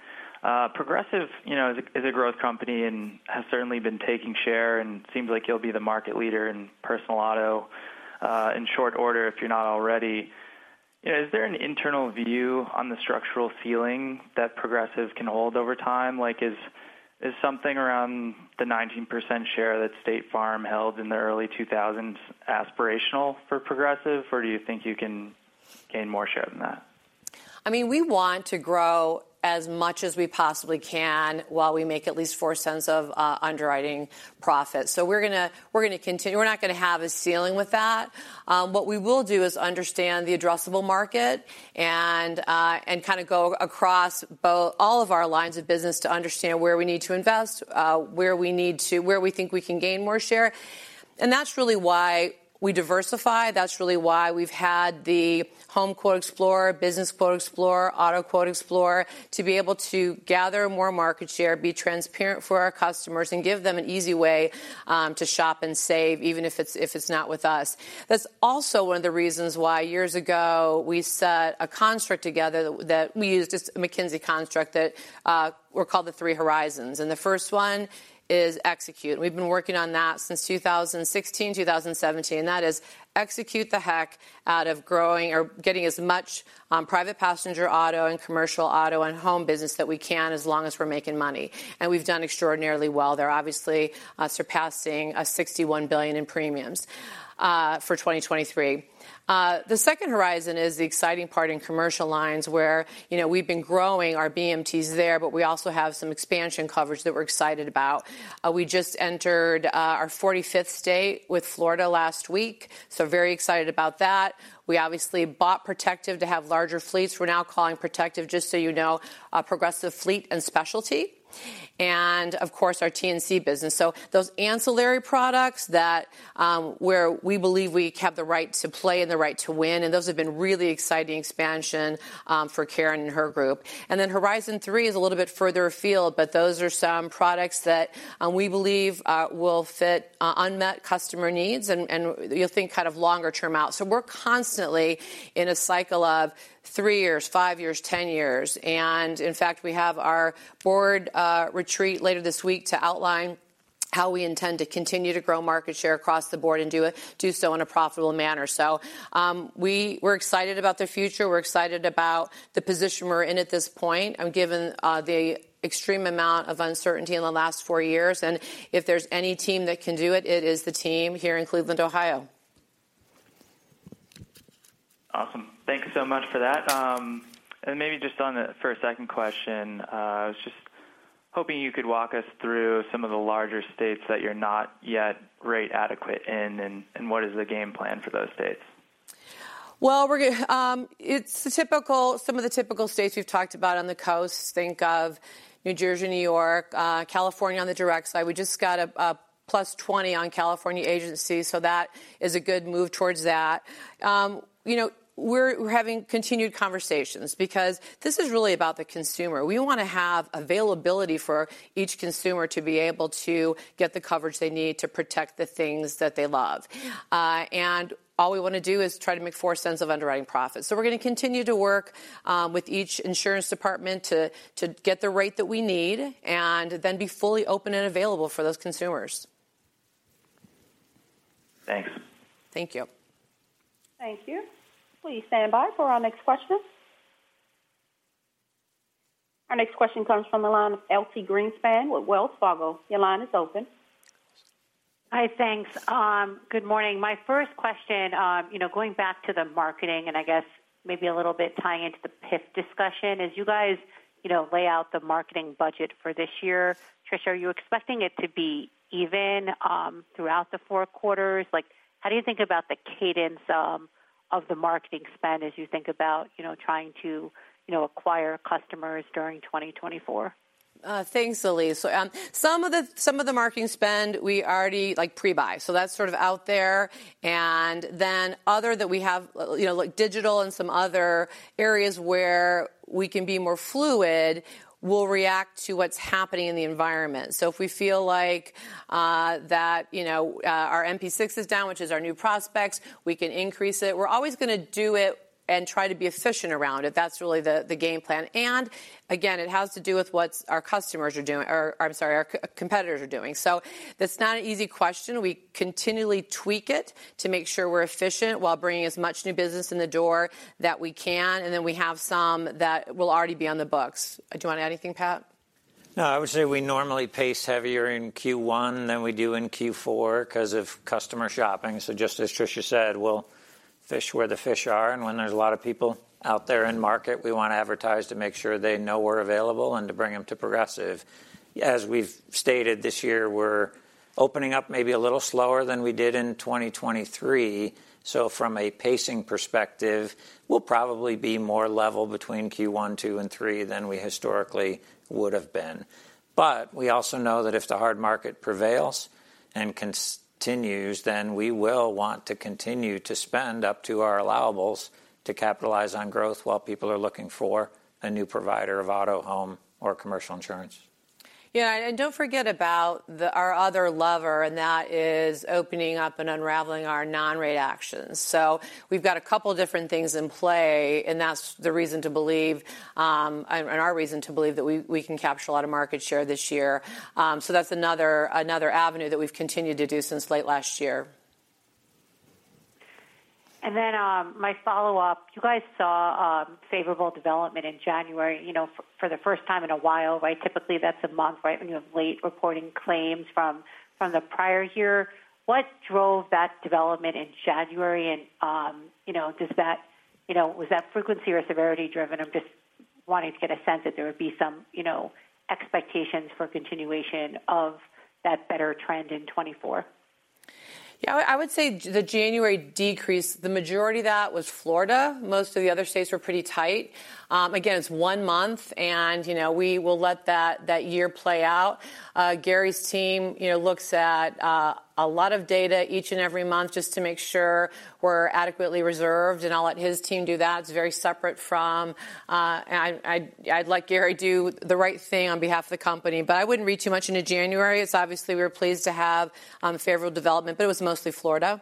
Progressive is a growth company and has certainly been taking share and seems like you'll be the market leader in personal auto in short order, if you're not already. Is there an internal view on the structural ceiling that Progressive can hold over time? Is something around the 19% share that State Farm held in the early 2000s aspirational for Progressive, or do you think you can gain more share than that? I mean, we want to grow as much as we possibly can while we make at least $0.04 of underwriting profit. So we're going to continue. We're not going to have a ceiling with that. What we will do is understand the addressable market and kind of go across all of our lines of business to understand where we need to invest, where we think we can gain more share. And that's really why we diversify. That's really why we've had the Home Quote Explorer, Business Quote Explorer, Auto Quote Explorer to be able to gather more market share, be transparent for our customers, and give them an easy way to shop and save, even if it's not with us. That's also one of the reasons why, years ago, we set a construct together that we used, it's a McKinsey construct that were called the Three Horizons. The first one is execute. We've been working on that since 2016, 2017. That is execute the heck out of growing or getting as much private passenger auto and commercial auto and home business that we can as long as we're making money. We've done extraordinarily well there, obviously surpassing $61 billion in premiums for 2023. The second horizon is the exciting part in commercial lines where we've been growing our BMTs there, but we also have some expansion coverage that we're excited about. We just entered our 45th state with Florida last week, so very excited about that. We obviously bought Protective to have larger fleets. We're now calling Protective, just so you know, Progressive Fleet and Specialty. Of course, our TNC business. So those ancillary products where we believe we have the right to play and the right to win, and those have been really exciting expansion for Karen and her group. And then Horizon 3 is a little bit further afield, but those are some products that we believe will fit unmet customer needs, and you'll think kind of longer-term out. So we're constantly in a cycle of three years, five years, 10 years. And in fact, we have our board retreat later this week to outline how we intend to continue to grow market share across the board and do so in a profitable manner. So we're excited about the future. We're excited about the position we're in at this point, given the extreme amount of uncertainty in the last four years. And if there's any team that can do it, it is the team here in Cleveland, Ohio. Awesome. Thanks so much for that. Maybe just on the first, second question, I was just hoping you could walk us through some of the larger states that you're not yet rate adequate in and what is the game plan for those states? Well, it's some of the typical states we've talked about on the coast. Think of New Jersey, New York, California on the direct side. We just got a +20 on California agencies, so that is a good move towards that. We're having continued conversations because this is really about the consumer. We want to have availability for each consumer to be able to get the coverage they need to protect the things that they love. And all we want to do is try to make $0.04 of underwriting profit. So we're going to continue to work with each insurance department to get the rate that we need and then be fully open and available for those consumers. Thanks. Thank you. Thank you. Will you stand by for our next question? Our next question comes from the line of Elyse Greenspan with Wells Fargo. Your line is open. Hi, thanks. Good morning. My first question, going back to the marketing and I guess maybe a little bit tying into the PIF discussion, as you guys lay out the marketing budget for this year, Tricia, are you expecting it to be even throughout the four quarters? How do you think about the cadence of the marketing spend as you think about trying to acquire customers during 2024? Thanks, Elyse. Some of the marketing spend, we already prebuy, so that's sort of out there. And then other that we have, like digital and some other areas where we can be more fluid, we'll react to what's happening in the environment. So if we feel like that our NP6 is down, which is our new prospects, we can increase it. We're always going to do it and try to be efficient around it. That's really the game plan. And again, it has to do with what our customers are doing or, I'm sorry, our competitors are doing. So that's not an easy question. We continually tweak it to make sure we're efficient while bringing as much new business in the door that we can. And then we have some that will already be on the books. Do you want to add anything, Pat? No, I would say we normally pace heavier in Q1 than we do in Q4 because of customer shopping. So just as Tricia said, we'll fish where the fish are. And when there's a lot of people out there in market, we want to advertise to make sure they know we're available and to bring them to Progressive. As we've stated, this year, we're opening up maybe a little slower than we did in 2023. So from a pacing perspective, we'll probably be more level between Q1, Q2, and Q3 than we historically would have been. But we also know that if the hard market prevails and continues, then we will want to continue to spend up to our allowables to capitalize on growth while people are looking for a new provider of auto, home, or commercial insurance. Yeah, and don't forget about our other lever, and that is opening up and unraveling our non-rate actions. So we've got a couple of different things in play, and that's the reason to believe and our reason to believe that we can capture a lot of market share this year. So that's another avenue that we've continued to do since late last year. Then my follow-up, you guys saw favorable development in January for the first time in a while, right? Typically, that's a month, right, when you have late reporting claims from the prior year. What drove that development in January? And was that frequency or severity driven? I'm just wanting to get a sense that there would be some expectations for continuation of that better trend in 2024. Yeah, I would say the January decrease, the majority of that was Florida. Most of the other states were pretty tight. Again, it's one month, and we will let that year play out. Gary's team looks at a lot of data each and every month just to make sure we're adequately reserved, and I'll let his team do that. It's very separate from, and I'd like Gary to do the right thing on behalf of the company. But I wouldn't read too much into January. It's obvious we were pleased to have favorable development, but it was mostly Florida.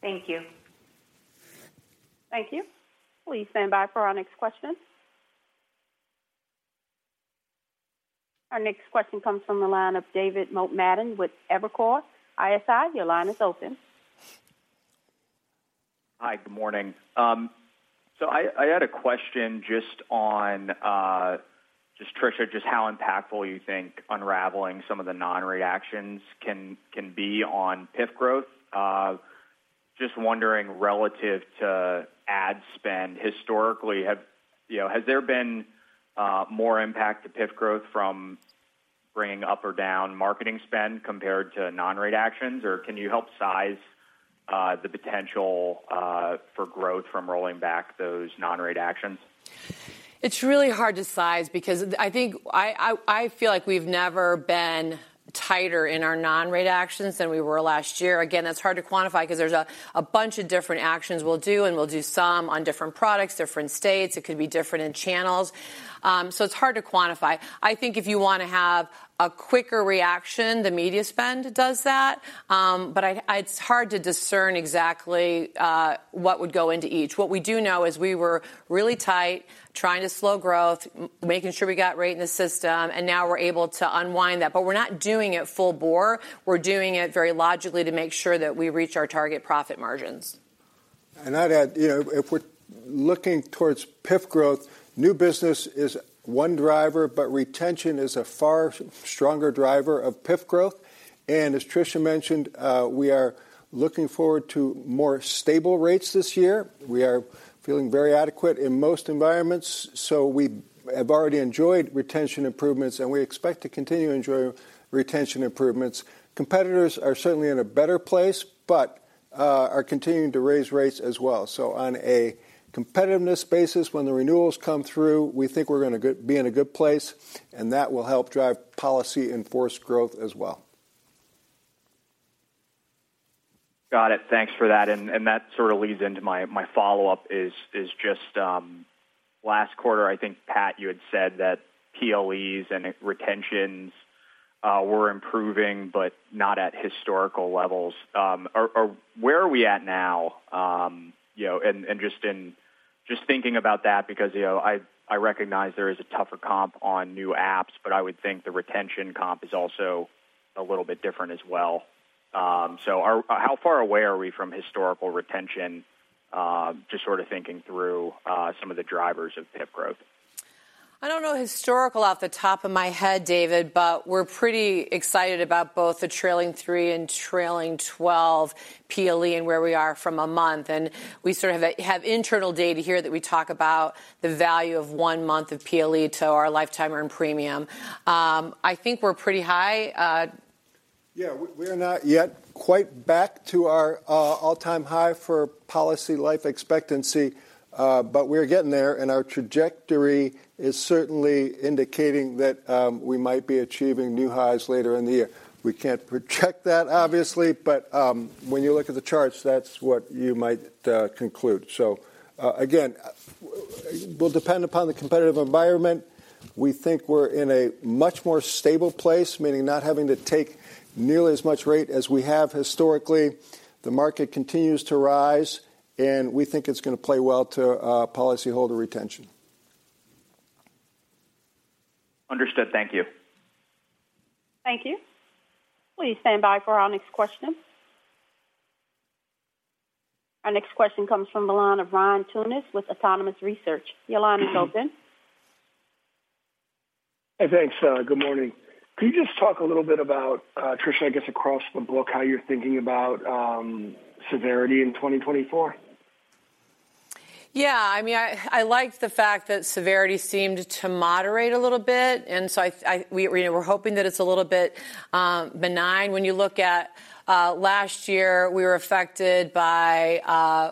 Thank you. Thank you. Will you stand by for our next question? Our next question comes from the line of David Motemaden with Evercore ISI. Your line is open. Hi, good morning. So I had a question just on, just Tricia, just how impactful you think unraveling some of the non-rate actions can be on PIF growth. Just wondering, relative to ad spend historically, has there been more impact to PIF growth from bringing up or down marketing spend compared to non-rate actions, or can you help size the potential for growth from rolling back those non-rate actions? It's really hard to size because I think I feel like we've never been tighter in our non-rate actions than we were last year. Again, that's hard to quantify because there's a bunch of different actions we'll do, and we'll do some on different products, different states. It could be different in channels. So it's hard to quantify. I think if you want to have a quicker reaction, the media spend does that. But it's hard to discern exactly what would go into each. What we do know is we were really tight, trying to slow growth, making sure we got rate in the system, and now we're able to unwind that. But we're not doing it full bore. We're doing it very logically to make sure that we reach our target profit margins. I'd add, if we're looking towards PIF growth, new business is one driver, but retention is a far stronger driver of PIF growth. As Tricia mentioned, we are looking forward to more stable rates this year. We are feeling very adequate in most environments. We have already enjoyed retention improvements, and we expect to continue enjoying retention improvements. Competitors are certainly in a better place, but are continuing to raise rates as well. On a competitiveness basis, when the renewals come through, we think we're going to be in a good place, and that will help drive policies in force growth as well. Got it. Thanks for that. And that sort of leads into my follow-up is just last quarter, I think, Pat, you had said that PLEs and retentions were improving, but not at historical levels. Where are we at now? And just thinking about that, because I recognize there is a tougher comp on new apps, but I would think the retention comp is also a little bit different as well. So how far away are we from historical retention, just sort of thinking through some of the drivers of PIF growth? I don't know historical off the top of my head, David, but we're pretty excited about both the trailing 3 and trailing 12 PLE and where we are from a month. And we sort of have internal data here that we talk about the value of one month of PLE to our lifetime earned premium. I think we're pretty high. Yeah, we are not yet quite back to our all-time high for policy life expectancy, but we are getting there. Our trajectory is certainly indicating that we might be achieving new highs later in the year. We can't project that, obviously, but when you look at the charts, that's what you might conclude. Again, we'll depend upon the competitive environment. We think we're in a much more stable place, meaning not having to take nearly as much rate as we have historically. The market continues to rise, and we think it's going to play well to policyholder retention. Understood. Thank you. Thank you. Will you stand by for our next question? Our next question comes from the line of Ryan Tunis with Autonomous Research. Your line is open. Hey, thanks. Good morning. Could you just talk a little bit about, Tricia, I guess across the book, how you're thinking about severity in 2024? Yeah, I mean, I liked the fact that severity seemed to moderate a little bit. So we're hoping that it's a little bit benign. When you look at last year, we were affected by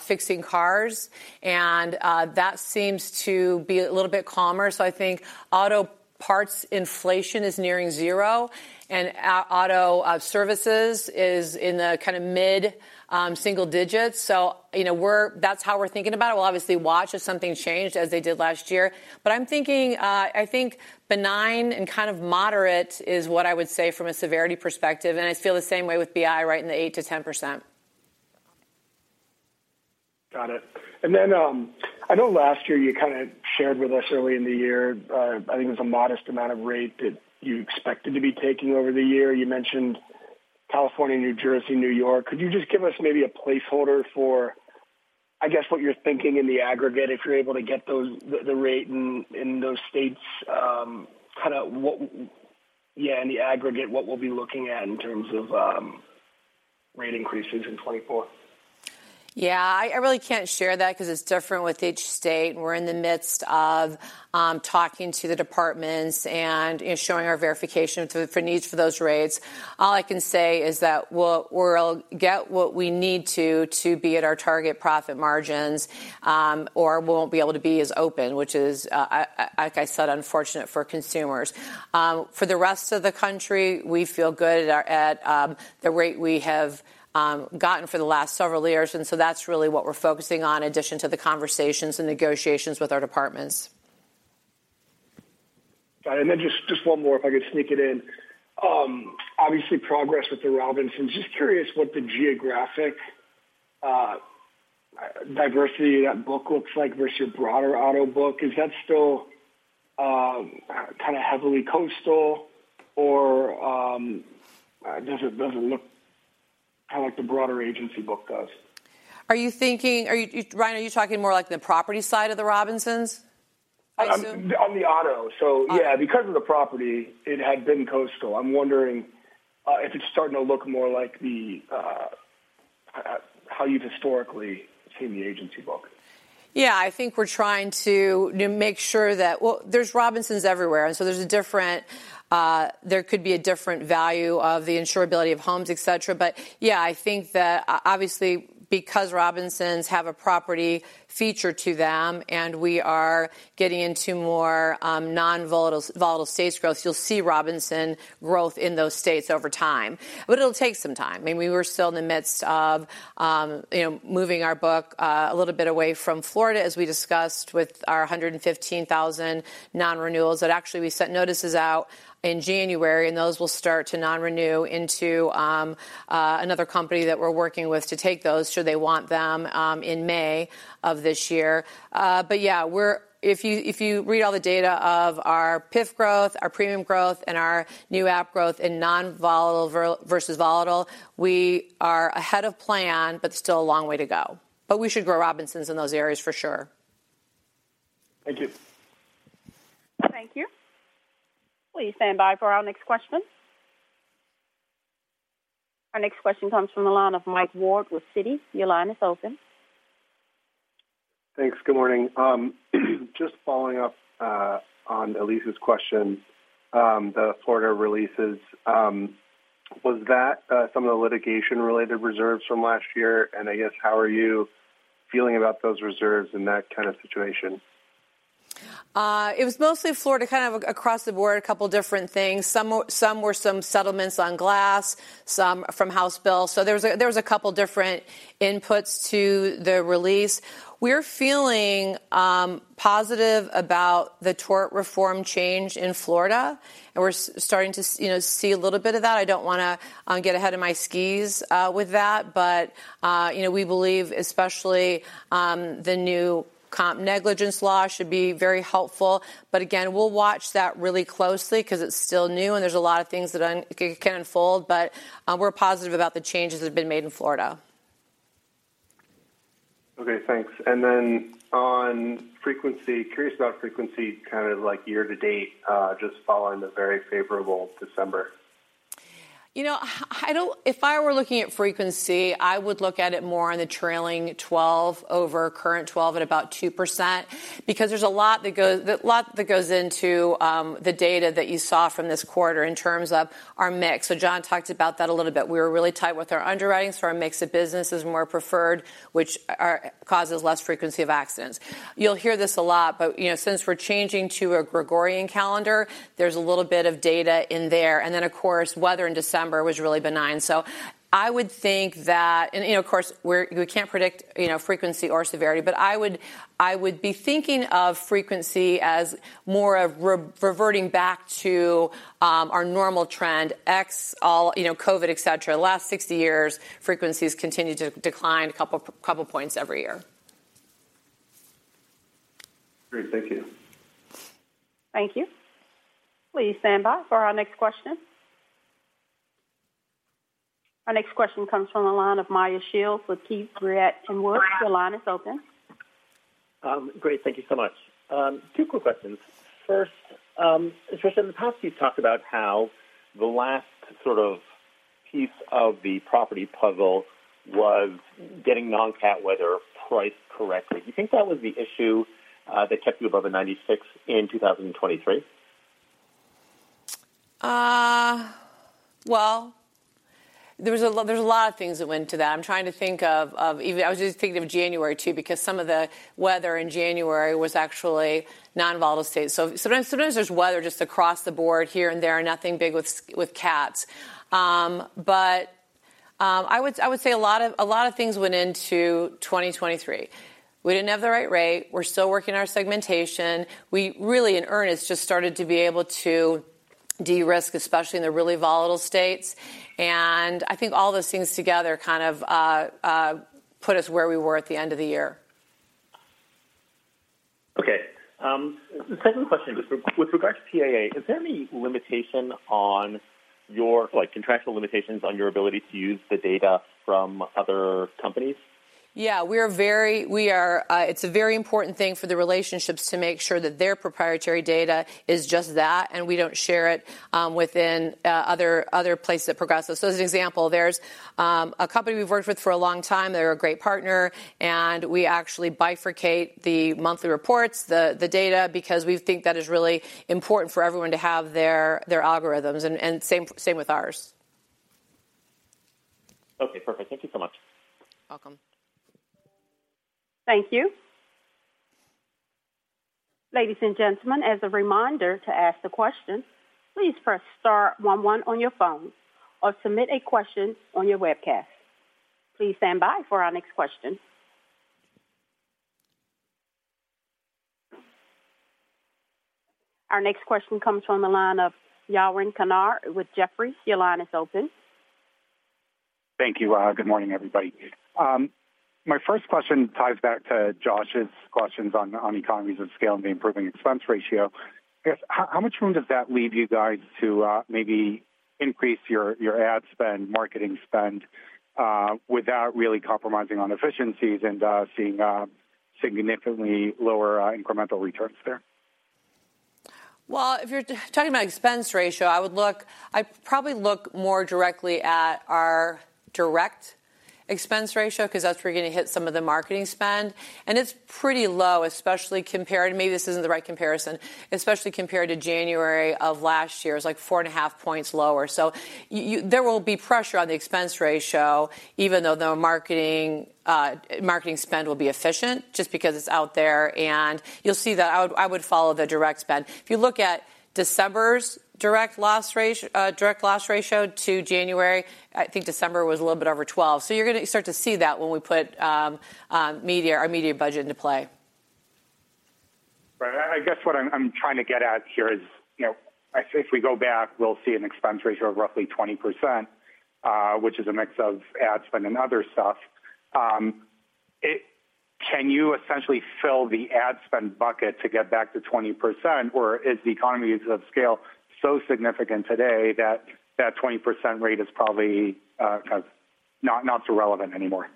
fixing cars, and that seems to be a little bit calmer. So I think auto parts inflation is nearing zero, and auto services is in the kind of mid-single digits. So that's how we're thinking about it. We'll obviously watch if something changed as they did last year. But I think benign and kind of moderate is what I would say from a severity perspective. And I feel the same way with BI, right, in the 8%-10%. Got it. And then I know last year you kind of shared with us early in the year, I think it was a modest amount of rate that you expected to be taking over the year. You mentioned California, New Jersey, New York. Could you just give us maybe a placeholder for, I guess, what you're thinking in the aggregate if you're able to get the rate in those states? Kind of, yeah, in the aggregate, what we'll be looking at in terms of rate increases in 2024? Yeah, I really can't share that because it's different with each state. We're in the midst of talking to the departments and showing our verification for needs for those rates. All I can say is that we'll get what we need to to be at our target profit margins, or we won't be able to be as open, which is, like I said, unfortunate for consumers. For the rest of the country, we feel good at the rate we have gotten for the last several years. So that's really what we're focusing on in addition to the conversations and negotiations with our departments. Got it. And then just one more, if I could sneak it in. Obviously, progress with the Robinsons. Just curious what the geographic diversity that book looks like versus your broader auto book. Is that still kind of heavily coastal, or does it look kind of like the broader agency book does? Are you thinking, Ryan, are you talking more like the property side of the Robinsons, I assume? On the auto. So yeah, because of the property, it had been coastal. I'm wondering if it's starting to look more like how you've historically seen the agency book. Yeah, I think we're trying to make sure that, well, there's Robinsons everywhere. And so there's a different—there could be a different value of the insurability of homes, etc. But yeah, I think that obviously, because Robinsons have a property feature to them and we are getting into more non-volatile states growth, you'll see Robinsons growth in those states over time. But it'll take some time. I mean, we were still in the midst of moving our book a little bit away from Florida, as we discussed, with our 115,000 non-renewals. That actually, we sent notices out in January, and those will start to non-renew into another company that we're working with to take those should they want them in May of this year. But yeah, if you read all the data of our PIF growth, our premium growth, and our new app growth in non-volatile versus volatile, we are ahead of plan, but still a long way to go. But we should grow Robinsons in those areas for sure. Thank you. Thank you. Will you stand by for our next question? Our next question comes from the line of Mike Ward with Citi. Your line is open. Thanks. Good morning. Just following up on Elyse's question, the Florida releases, was that some of the litigation-related reserves from last year? And I guess, how are you feeling about those reserves in that kind of situation? It was mostly Florida, kind of across the board, a couple of different things. Some were some settlements on glass, some from House Bill. So there was a couple of different inputs to the release. We're feeling positive about the tort reform change in Florida, and we're starting to see a little bit of that. I don't want to get ahead of my skis with that, but we believe especially the new comp negligence law should be very helpful. But again, we'll watch that really closely because it's still new, and there's a lot of things that can unfold. But we're positive about the changes that have been made in Florida. Okay, thanks. And then, on frequency, curious about frequency kind of like year to date, just following the very favorable December? If I were looking at frequency, I would look at it more on the trailing 12 over current 12 at about 2% because there's a lot that goes into the data that you saw from this quarter in terms of our mix. So John talked about that a little bit. We were really tight with our underwritings, so our mix of businesses were more preferred, which causes less frequency of accidents. You'll hear this a lot, but since we're changing to a Gregorian calendar, there's a little bit of data in there. And then, of course, weather in December was really benign. So I would think that and of course, we can't predict frequency or severity, but I would be thinking of frequency as more of reverting back to our normal trend, ex-COVID, etc. The last 60 years, frequencies continue to decline a couple of points every year. Great. Thank you. Thank you. Will you stand by for our next question? Our next question comes from the line of Meyer Shields with Keefe, Bruyette & Woods. Your line is open. Great. Thank you so much. Two quick questions. First, Tricia, in the past, you've talked about how the last sort of piece of the property puzzle was getting non-cat weather priced correctly. Do you think that was the issue that kept you above a 96 in 2023? Well, there's a lot of things that went to that. I'm trying to think of even I was just thinking of January, too, because some of the weather in January was actually non-volatile states. So sometimes there's weather just across the board here and there and nothing big with cats. But I would say a lot of things went into 2023. We didn't have the right rate. We're still working our segmentation. We really, in earnest, just started to be able to de-risk, especially in the really volatile states. And I think all those things together kind of put us where we were at the end of the year. Okay. The second question, with regard to PAA, is there any limitation on your contractual limitations on your ability to use the data from other companies? Yeah, we are very. It's a very important thing for the relationships to make sure that their proprietary data is just that, and we don't share it within other places at Progressive. So as an example, there's a company we've worked with for a long time. They're a great partner, and we actually bifurcate the monthly reports, the data, because we think that is really important for everyone to have their algorithms. And same with ours. Okay, perfect. Thank you so much. Welcome. Thank you. Ladies and gentlemen, as a reminder to ask the question, please press star 11 on your phone or submit a question on your webcast. Please stand by for our next question. Our next question comes from the line of Yaron Kinar with Jefferies. Your line is open. Thank you, Raha. Good morning, everybody. My first question ties back to Josh's questions on economies of scale and the improving expense ratio. I guess, how much room does that leave you guys to maybe increase your ad spend, marketing spend, without really compromising on efficiencies and seeing significantly lower incremental returns there? Well, if you're talking about expense ratio, I would. I'd probably look more directly at our direct expense ratio because that's where you're going to hit some of the marketing spend. And it's pretty low, especially compared to maybe this isn't the right comparison, especially compared to January of last year. It's like 4.5 points lower. So there will be pressure on the expense ratio, even though the marketing spend will be efficient just because it's out there. And you'll see that. I would follow the direct spend. If you look at December's direct loss ratio to January, I think December was a little bit over 12. So you're going to start to see that when we put our media budget into play. Right. I guess what I'm trying to get at here is, if we go back, we'll see an expense ratio of roughly 20%, which is a mix of ad spend and other stuff. Can you essentially fill the ad spend bucket to get back to 20%, or is the economies of scale so significant today that that 20% rate is probably kind of not so relevant anymore?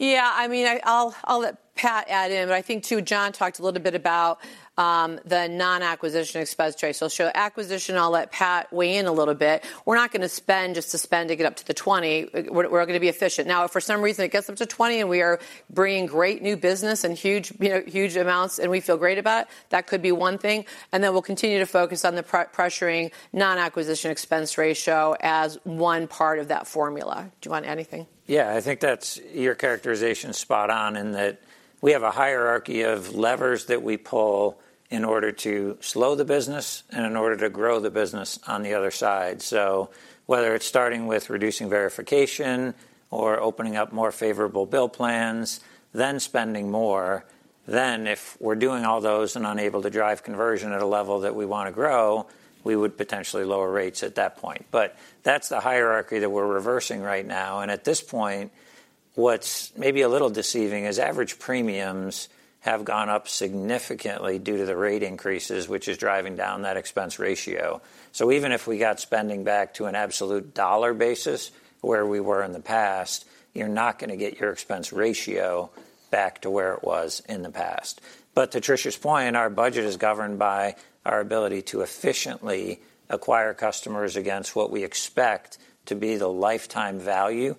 Yeah, I mean, I'll let Pat add in, but I think, too, John talked a little bit about the non-acquisition expense ratio. So acquisition, I'll let Pat weigh in a little bit. We're not going to spend just to spend to get up to the 20. We're going to be efficient. Now, if for some reason it gets up to 20 and we are bringing great new business and huge amounts and we feel great about it, that could be one thing. And then we'll continue to focus on the pressuring non-acquisition expense ratio as one part of that formula. Do you want to add anything? Yeah, I think that's your characterization spot on in that we have a hierarchy of levers that we pull in order to slow the business and in order to grow the business on the other side. So whether it's starting with reducing verification or opening up more favorable bill plans, then spending more, then if we're doing all those and unable to drive conversion at a level that we want to grow, we would potentially lower rates at that point. But that's the hierarchy that we're reversing right now. And at this point, what's maybe a little deceiving is average premiums have gone up significantly due to the rate increases, which is driving down that expense ratio. So even if we got spending back to an absolute dollar basis where we were in the past, you're not going to get your expense ratio back to where it was in the past. But to Tricia's point, our budget is governed by our ability to efficiently acquire customers against what we expect to be the lifetime value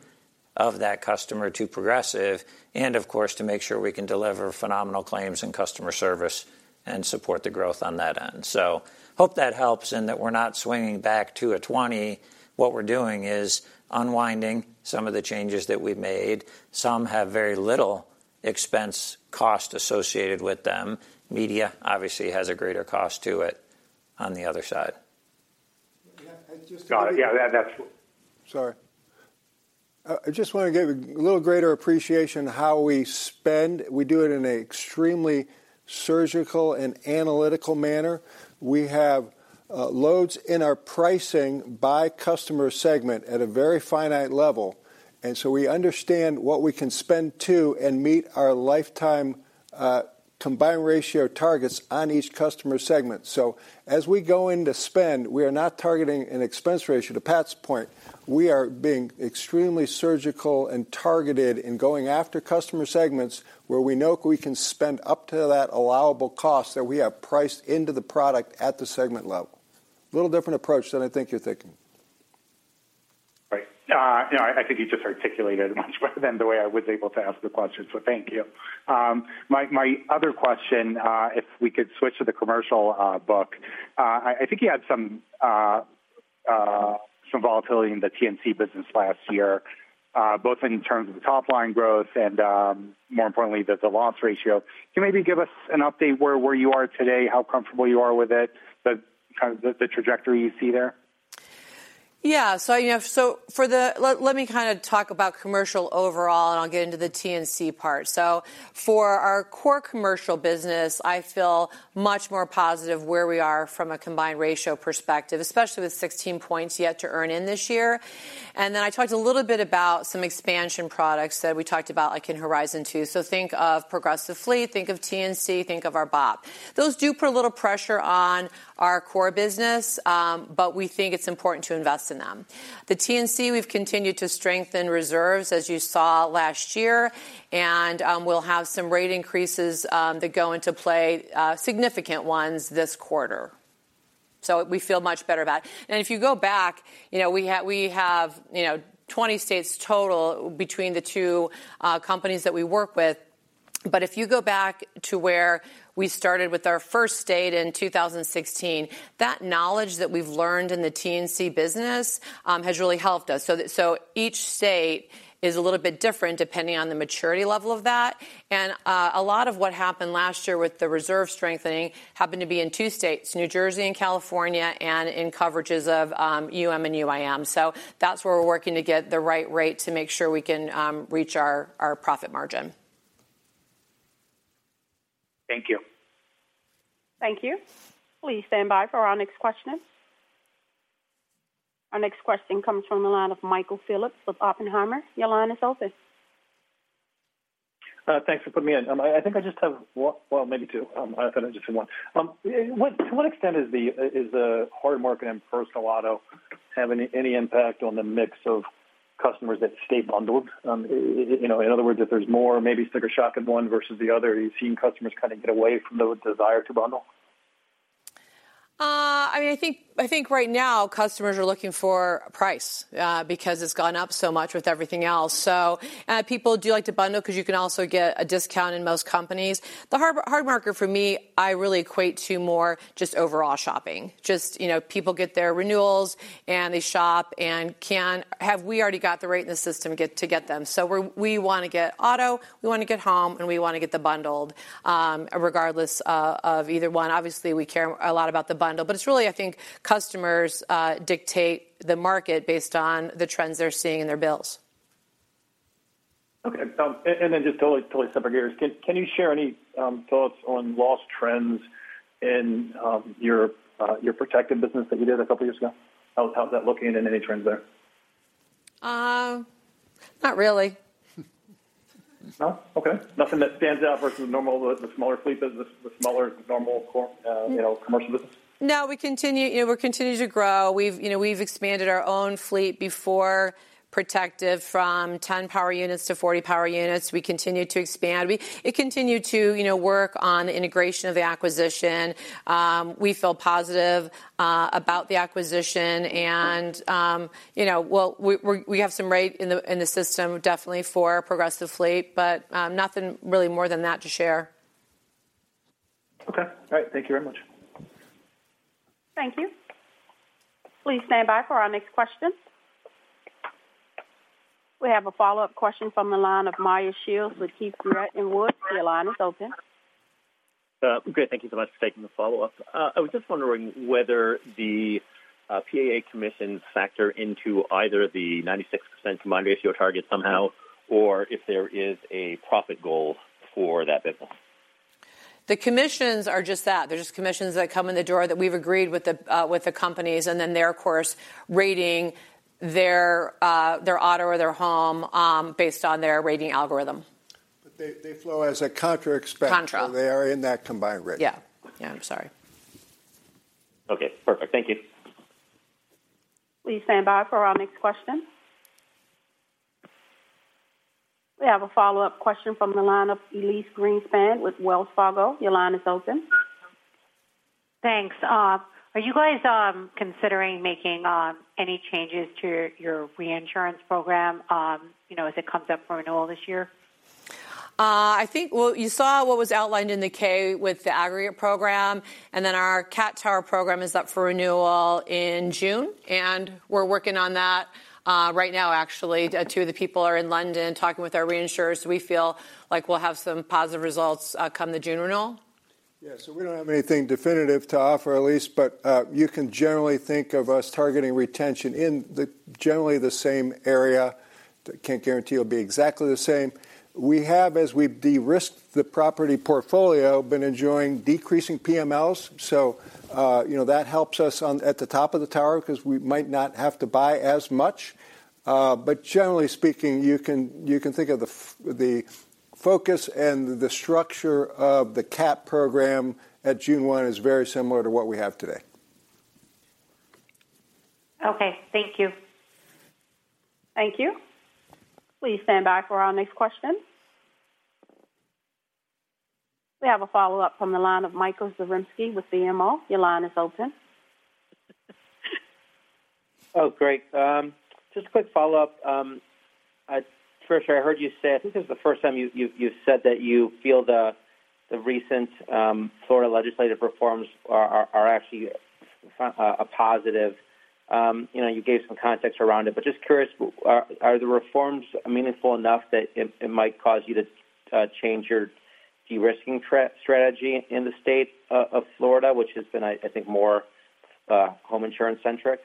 of that customer to Progressive and, of course, to make sure we can deliver phenomenal claims and customer service and support the growth on that end. So hope that helps in that we're not swinging back to a 20%. What we're doing is unwinding some of the changes that we've made. Some have very little expense cost associated with them. Media, obviously, has a greater cost to it on the other side. Got it. Yeah, that's. Sorry. I just want to give a little greater appreciation how we spend. We do it in an extremely surgical and analytical manner. We have loads in our pricing by customer segment at a very finite level. And so we understand what we can spend to and meet our lifetime combined ratio targets on each customer segment. So as we go into spend, we are not targeting an expense ratio. To Pat's point, we are being extremely surgical and targeted in going after customer segments where we know we can spend up to that allowable cost that we have priced into the product at the segment level. Little different approach than I think you're thinking. Right. I think you just articulated it much better than the way I was able to ask the question. So thank you. My other question, if we could switch to the commercial book, I think you had some volatility in the TNC business last year, both in terms of the top-line growth and, more importantly, the loss ratio. Can you maybe give us an update where you are today, how comfortable you are with it, the trajectory you see there? Yeah. So let me kind of talk about commercial overall, and I'll get into the TNC part. So for our core commercial business, I feel much more positive where we are from a combined ratio perspective, especially with 16 points yet to earn in this year. And then I talked a little bit about some expansion products that we talked about in Horizon 2. So think of Progressive Fleet, think of TNC, think of our BOP. Those do put a little pressure on our core business, but we think it's important to invest in them. The TNC, we've continued to strengthen reserves, as you saw last year, and we'll have some rate increases that go into play, significant ones, this quarter. So we feel much better about it. And if you go back, we have 20 states total between the two companies that we work with. But if you go back to where we started with our first state in 2016, that knowledge that we've learned in the TNC business has really helped us. So each state is a little bit different depending on the maturity level of that. And a lot of what happened last year with the reserve strengthening happened to be in two states, New Jersey and California and in coverages of BI and UIM. So that's where we're working to get the right rate to make sure we can reach our profit margin. Thank you. Thank you. Please stand by for our next questioner. Our next question comes from the line of Michael Phillips with Oppenheimer. Your line is open. Thanks for putting me in. I think I just have, maybe two. I thought I'd just say one. To what extent is the hard market and personal auto having any impact on the mix of customers that stay bundled? In other words, if there's more, maybe sticker shock in one versus the other, are you seeing customers kind of get away from the desire to bundle? I mean, I think right now, customers are looking for price because it's gone up so much with everything else. So people do like to bundle because you can also get a discount in most companies. The hard market, for me, I really equate to more just overall shopping. Just people get their renewals, and they shop, and can have we already got the rate in the system to get them. So we want to get auto. We want to get home, and we want to get the bundled, regardless of either one. Obviously, we care a lot about the bundle. But it's really, I think, customers dictate the market based on the trends they're seeing in their bills. Okay. Then just totally separate gears, can you share any thoughts on loss trends in your Protective business that you did a couple of years ago? How's that looking and any trends there? Not really. No? Okay. Nothing that stands out versus the normal the smaller fleet business, the smaller normal commercial business? No, we continue. We're continuing to grow. We've expanded our own fleet before Protective from 10 power units to 40 power units. We continue to expand. We continue to work on the integration of the acquisition. We feel positive about the acquisition. We have some rate in the system, definitely, for Progressive Fleet, but nothing really more than that to share. Okay. All right. Thank you very much. Thank you. Please stand by for our next question. We have a follow-up question from the line of Meyer Shields with Keefe, Bruyette & Woods. Your line is open. Great. Thank you so much for taking the follow-up. I was just wondering whether the PAA commissions factor into either the 96% combined ratio target somehow or if there is a profit goal for that business? The commissions are just that. They're just commissions that come in the door that we've agreed with the companies, and then they, of course, rating their auto or their home based on their rating algorithm. But they flow as a contra expense. Contra. They are in that combined rate. Yeah. Yeah, I'm sorry. Okay. Perfect. Thank you. Please stand by for our next question. We have a follow-up question from the line of Elyse Greenspan with Wells Fargo. Your line is open. Thanks. Are you guys considering making any changes to your reinsurance program as it comes up for renewal this year? I think, well, you saw what was outlined in the 10-K with the aggregate program. And then our Cat Tower program is up for renewal in June. And we're working on that right now, actually. Two of the people are in London talking with our reinsurers. We feel like we'll have some positive results come the June renewal. Yeah. So we don't have anything definitive to offer, Elyse. But you can generally think of us targeting retention in generally the same area. Can't guarantee it'll be exactly the same. We have, as we've de-risked the property portfolio, been enjoying decreasing PMLs. So that helps us at the top of the tower because we might not have to buy as much. But generally speaking, you can think of the focus and the structure of the Cat program at June 1 is very similar to what we have today. Okay. Thank you. Thank you. Please stand by for our next question. We have a follow-up from the line of Michael Zaremski with BMO. Your line is open. Oh, great. Just a quick follow-up. Tricia, I heard you say, I think this is the first time you've said that you feel the recent Florida legislative reforms are actually a positive. You gave some context around it. But just curious, are the reforms meaningful enough that it might cause you to change your de-risking strategy in the state of Florida, which has been, I think, more home insurance-centric?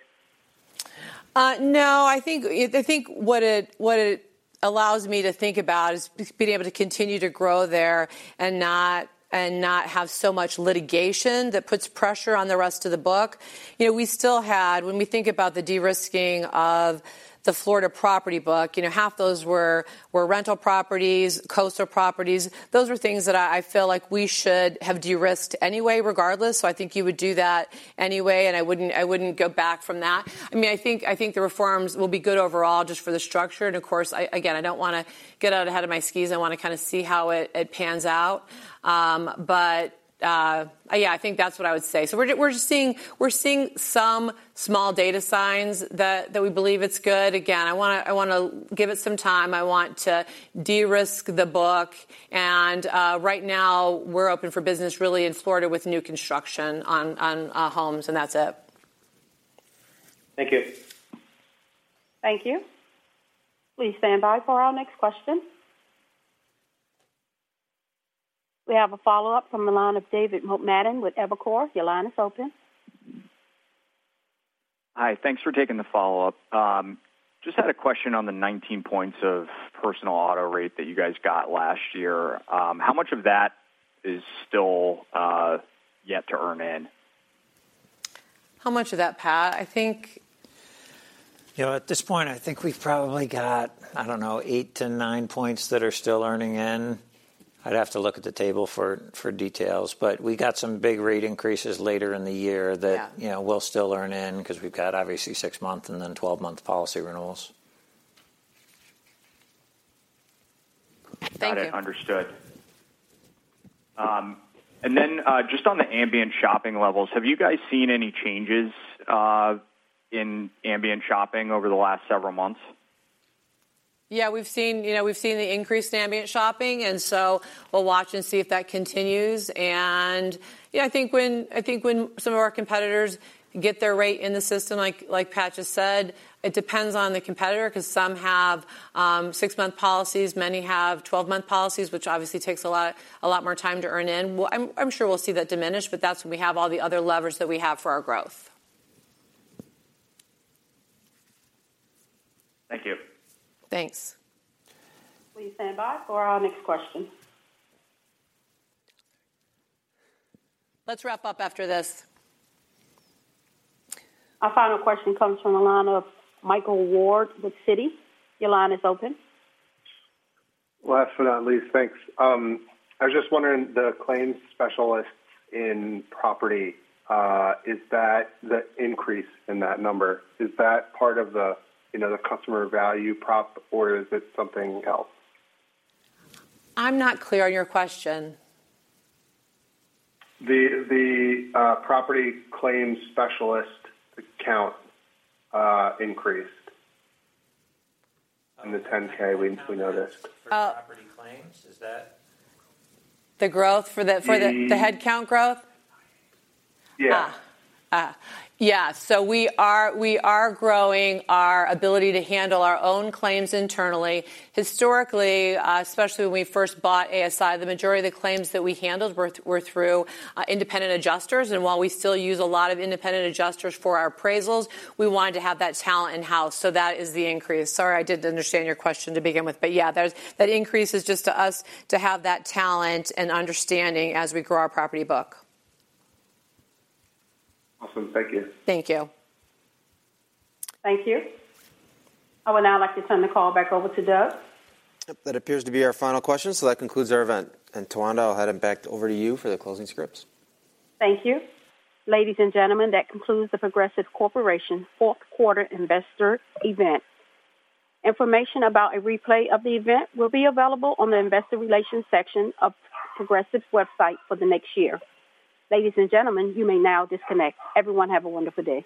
No. I think what it allows me to think about is being able to continue to grow there and not have so much litigation that puts pressure on the rest of the book. We still had, when we think about the de-risking of the Florida property book, half those were rental properties, coastal properties. Those were things that I feel like we should have de-risked anyway, regardless. So I think you would do that anyway, and I wouldn't go back from that. I mean, I think the reforms will be good overall just for the structure. And of course, again, I don't want to get out ahead of my skis. I want to kind of see how it pans out. But yeah, I think that's what I would say. So we're just seeing some small data signs that we believe it's good. Again, I want to give it some time. I want to de-risk the book. Right now, we're open for business, really, in Florida with new construction on homes, and that's it. Thank you. Thank you. Please stand by for our next question. We have a follow-up from the line of David Motemaden with Evercore. Your line is open. Hi. Thanks for taking the follow-up. Just had a question on the 19 points of personal auto rate that you guys got last year. How much of that is still yet to earn in? How much of that, Pat? I think. At this point, I think we've probably got, I don't know, 8-9 points that are still earning in. I'd have to look at the table for details. But we got some big rate increases later in the year that we'll still earn in because we've got, obviously, six-month and then 12-month policy renewals. Thank you. Got it. Understood. And then just on the Ambient Shopping levels, have you guys seen any changes in Ambient Shopping over the last several months? Yeah, we've seen the increase in ambient shopping. So we'll watch and see if that continues. I think when some of our competitors get their rate in the system, like Pat just said, it depends on the competitor because some have six-month policies, many have 12-month policies, which obviously takes a lot more time to earn in. I'm sure we'll see that diminish, but that's when we have all the other levers that we have for our growth. Thank you. Thanks. Please stand by for our next question. Let's wrap up after this. Our final question comes from the line of Michael Ward with Citi. Your line is open. Last but not least, thanks. I was just wondering, the claims specialists in property, is that the increase in that number, is that part of the customer value prop, or is it something else? I'm not clear on your question. The property claims specialist account increased in the 10-K. We noticed. Property claims? Is that? The growth for the headcount growth? Yeah. Yeah. So we are growing our ability to handle our own claims internally. Historically, especially when we first bought ASI, the majority of the claims that we handled were through independent adjusters. And while we still use a lot of independent adjusters for our appraisals, we wanted to have that talent in-house. So that is the increase. Sorry, I didn't understand your question to begin with. But yeah, that increase is just to us to have that talent and understanding as we grow our property book. Awesome. Thank you. Thank you. Thank you. I would now like to turn the call back over to Doug. Yep. That appears to be our final question. That concludes our event. Tawanda, I'll hand it back over to you for the closing scripts. Thank you. Ladies and gentlemen, that concludes the Progressive Corporation fourth-quarter investor event. Information about a replay of the event will be available on the investor relations section of Progressive's website for the next year. Ladies and gentlemen, you may now disconnect. Everyone, have a wonderful day.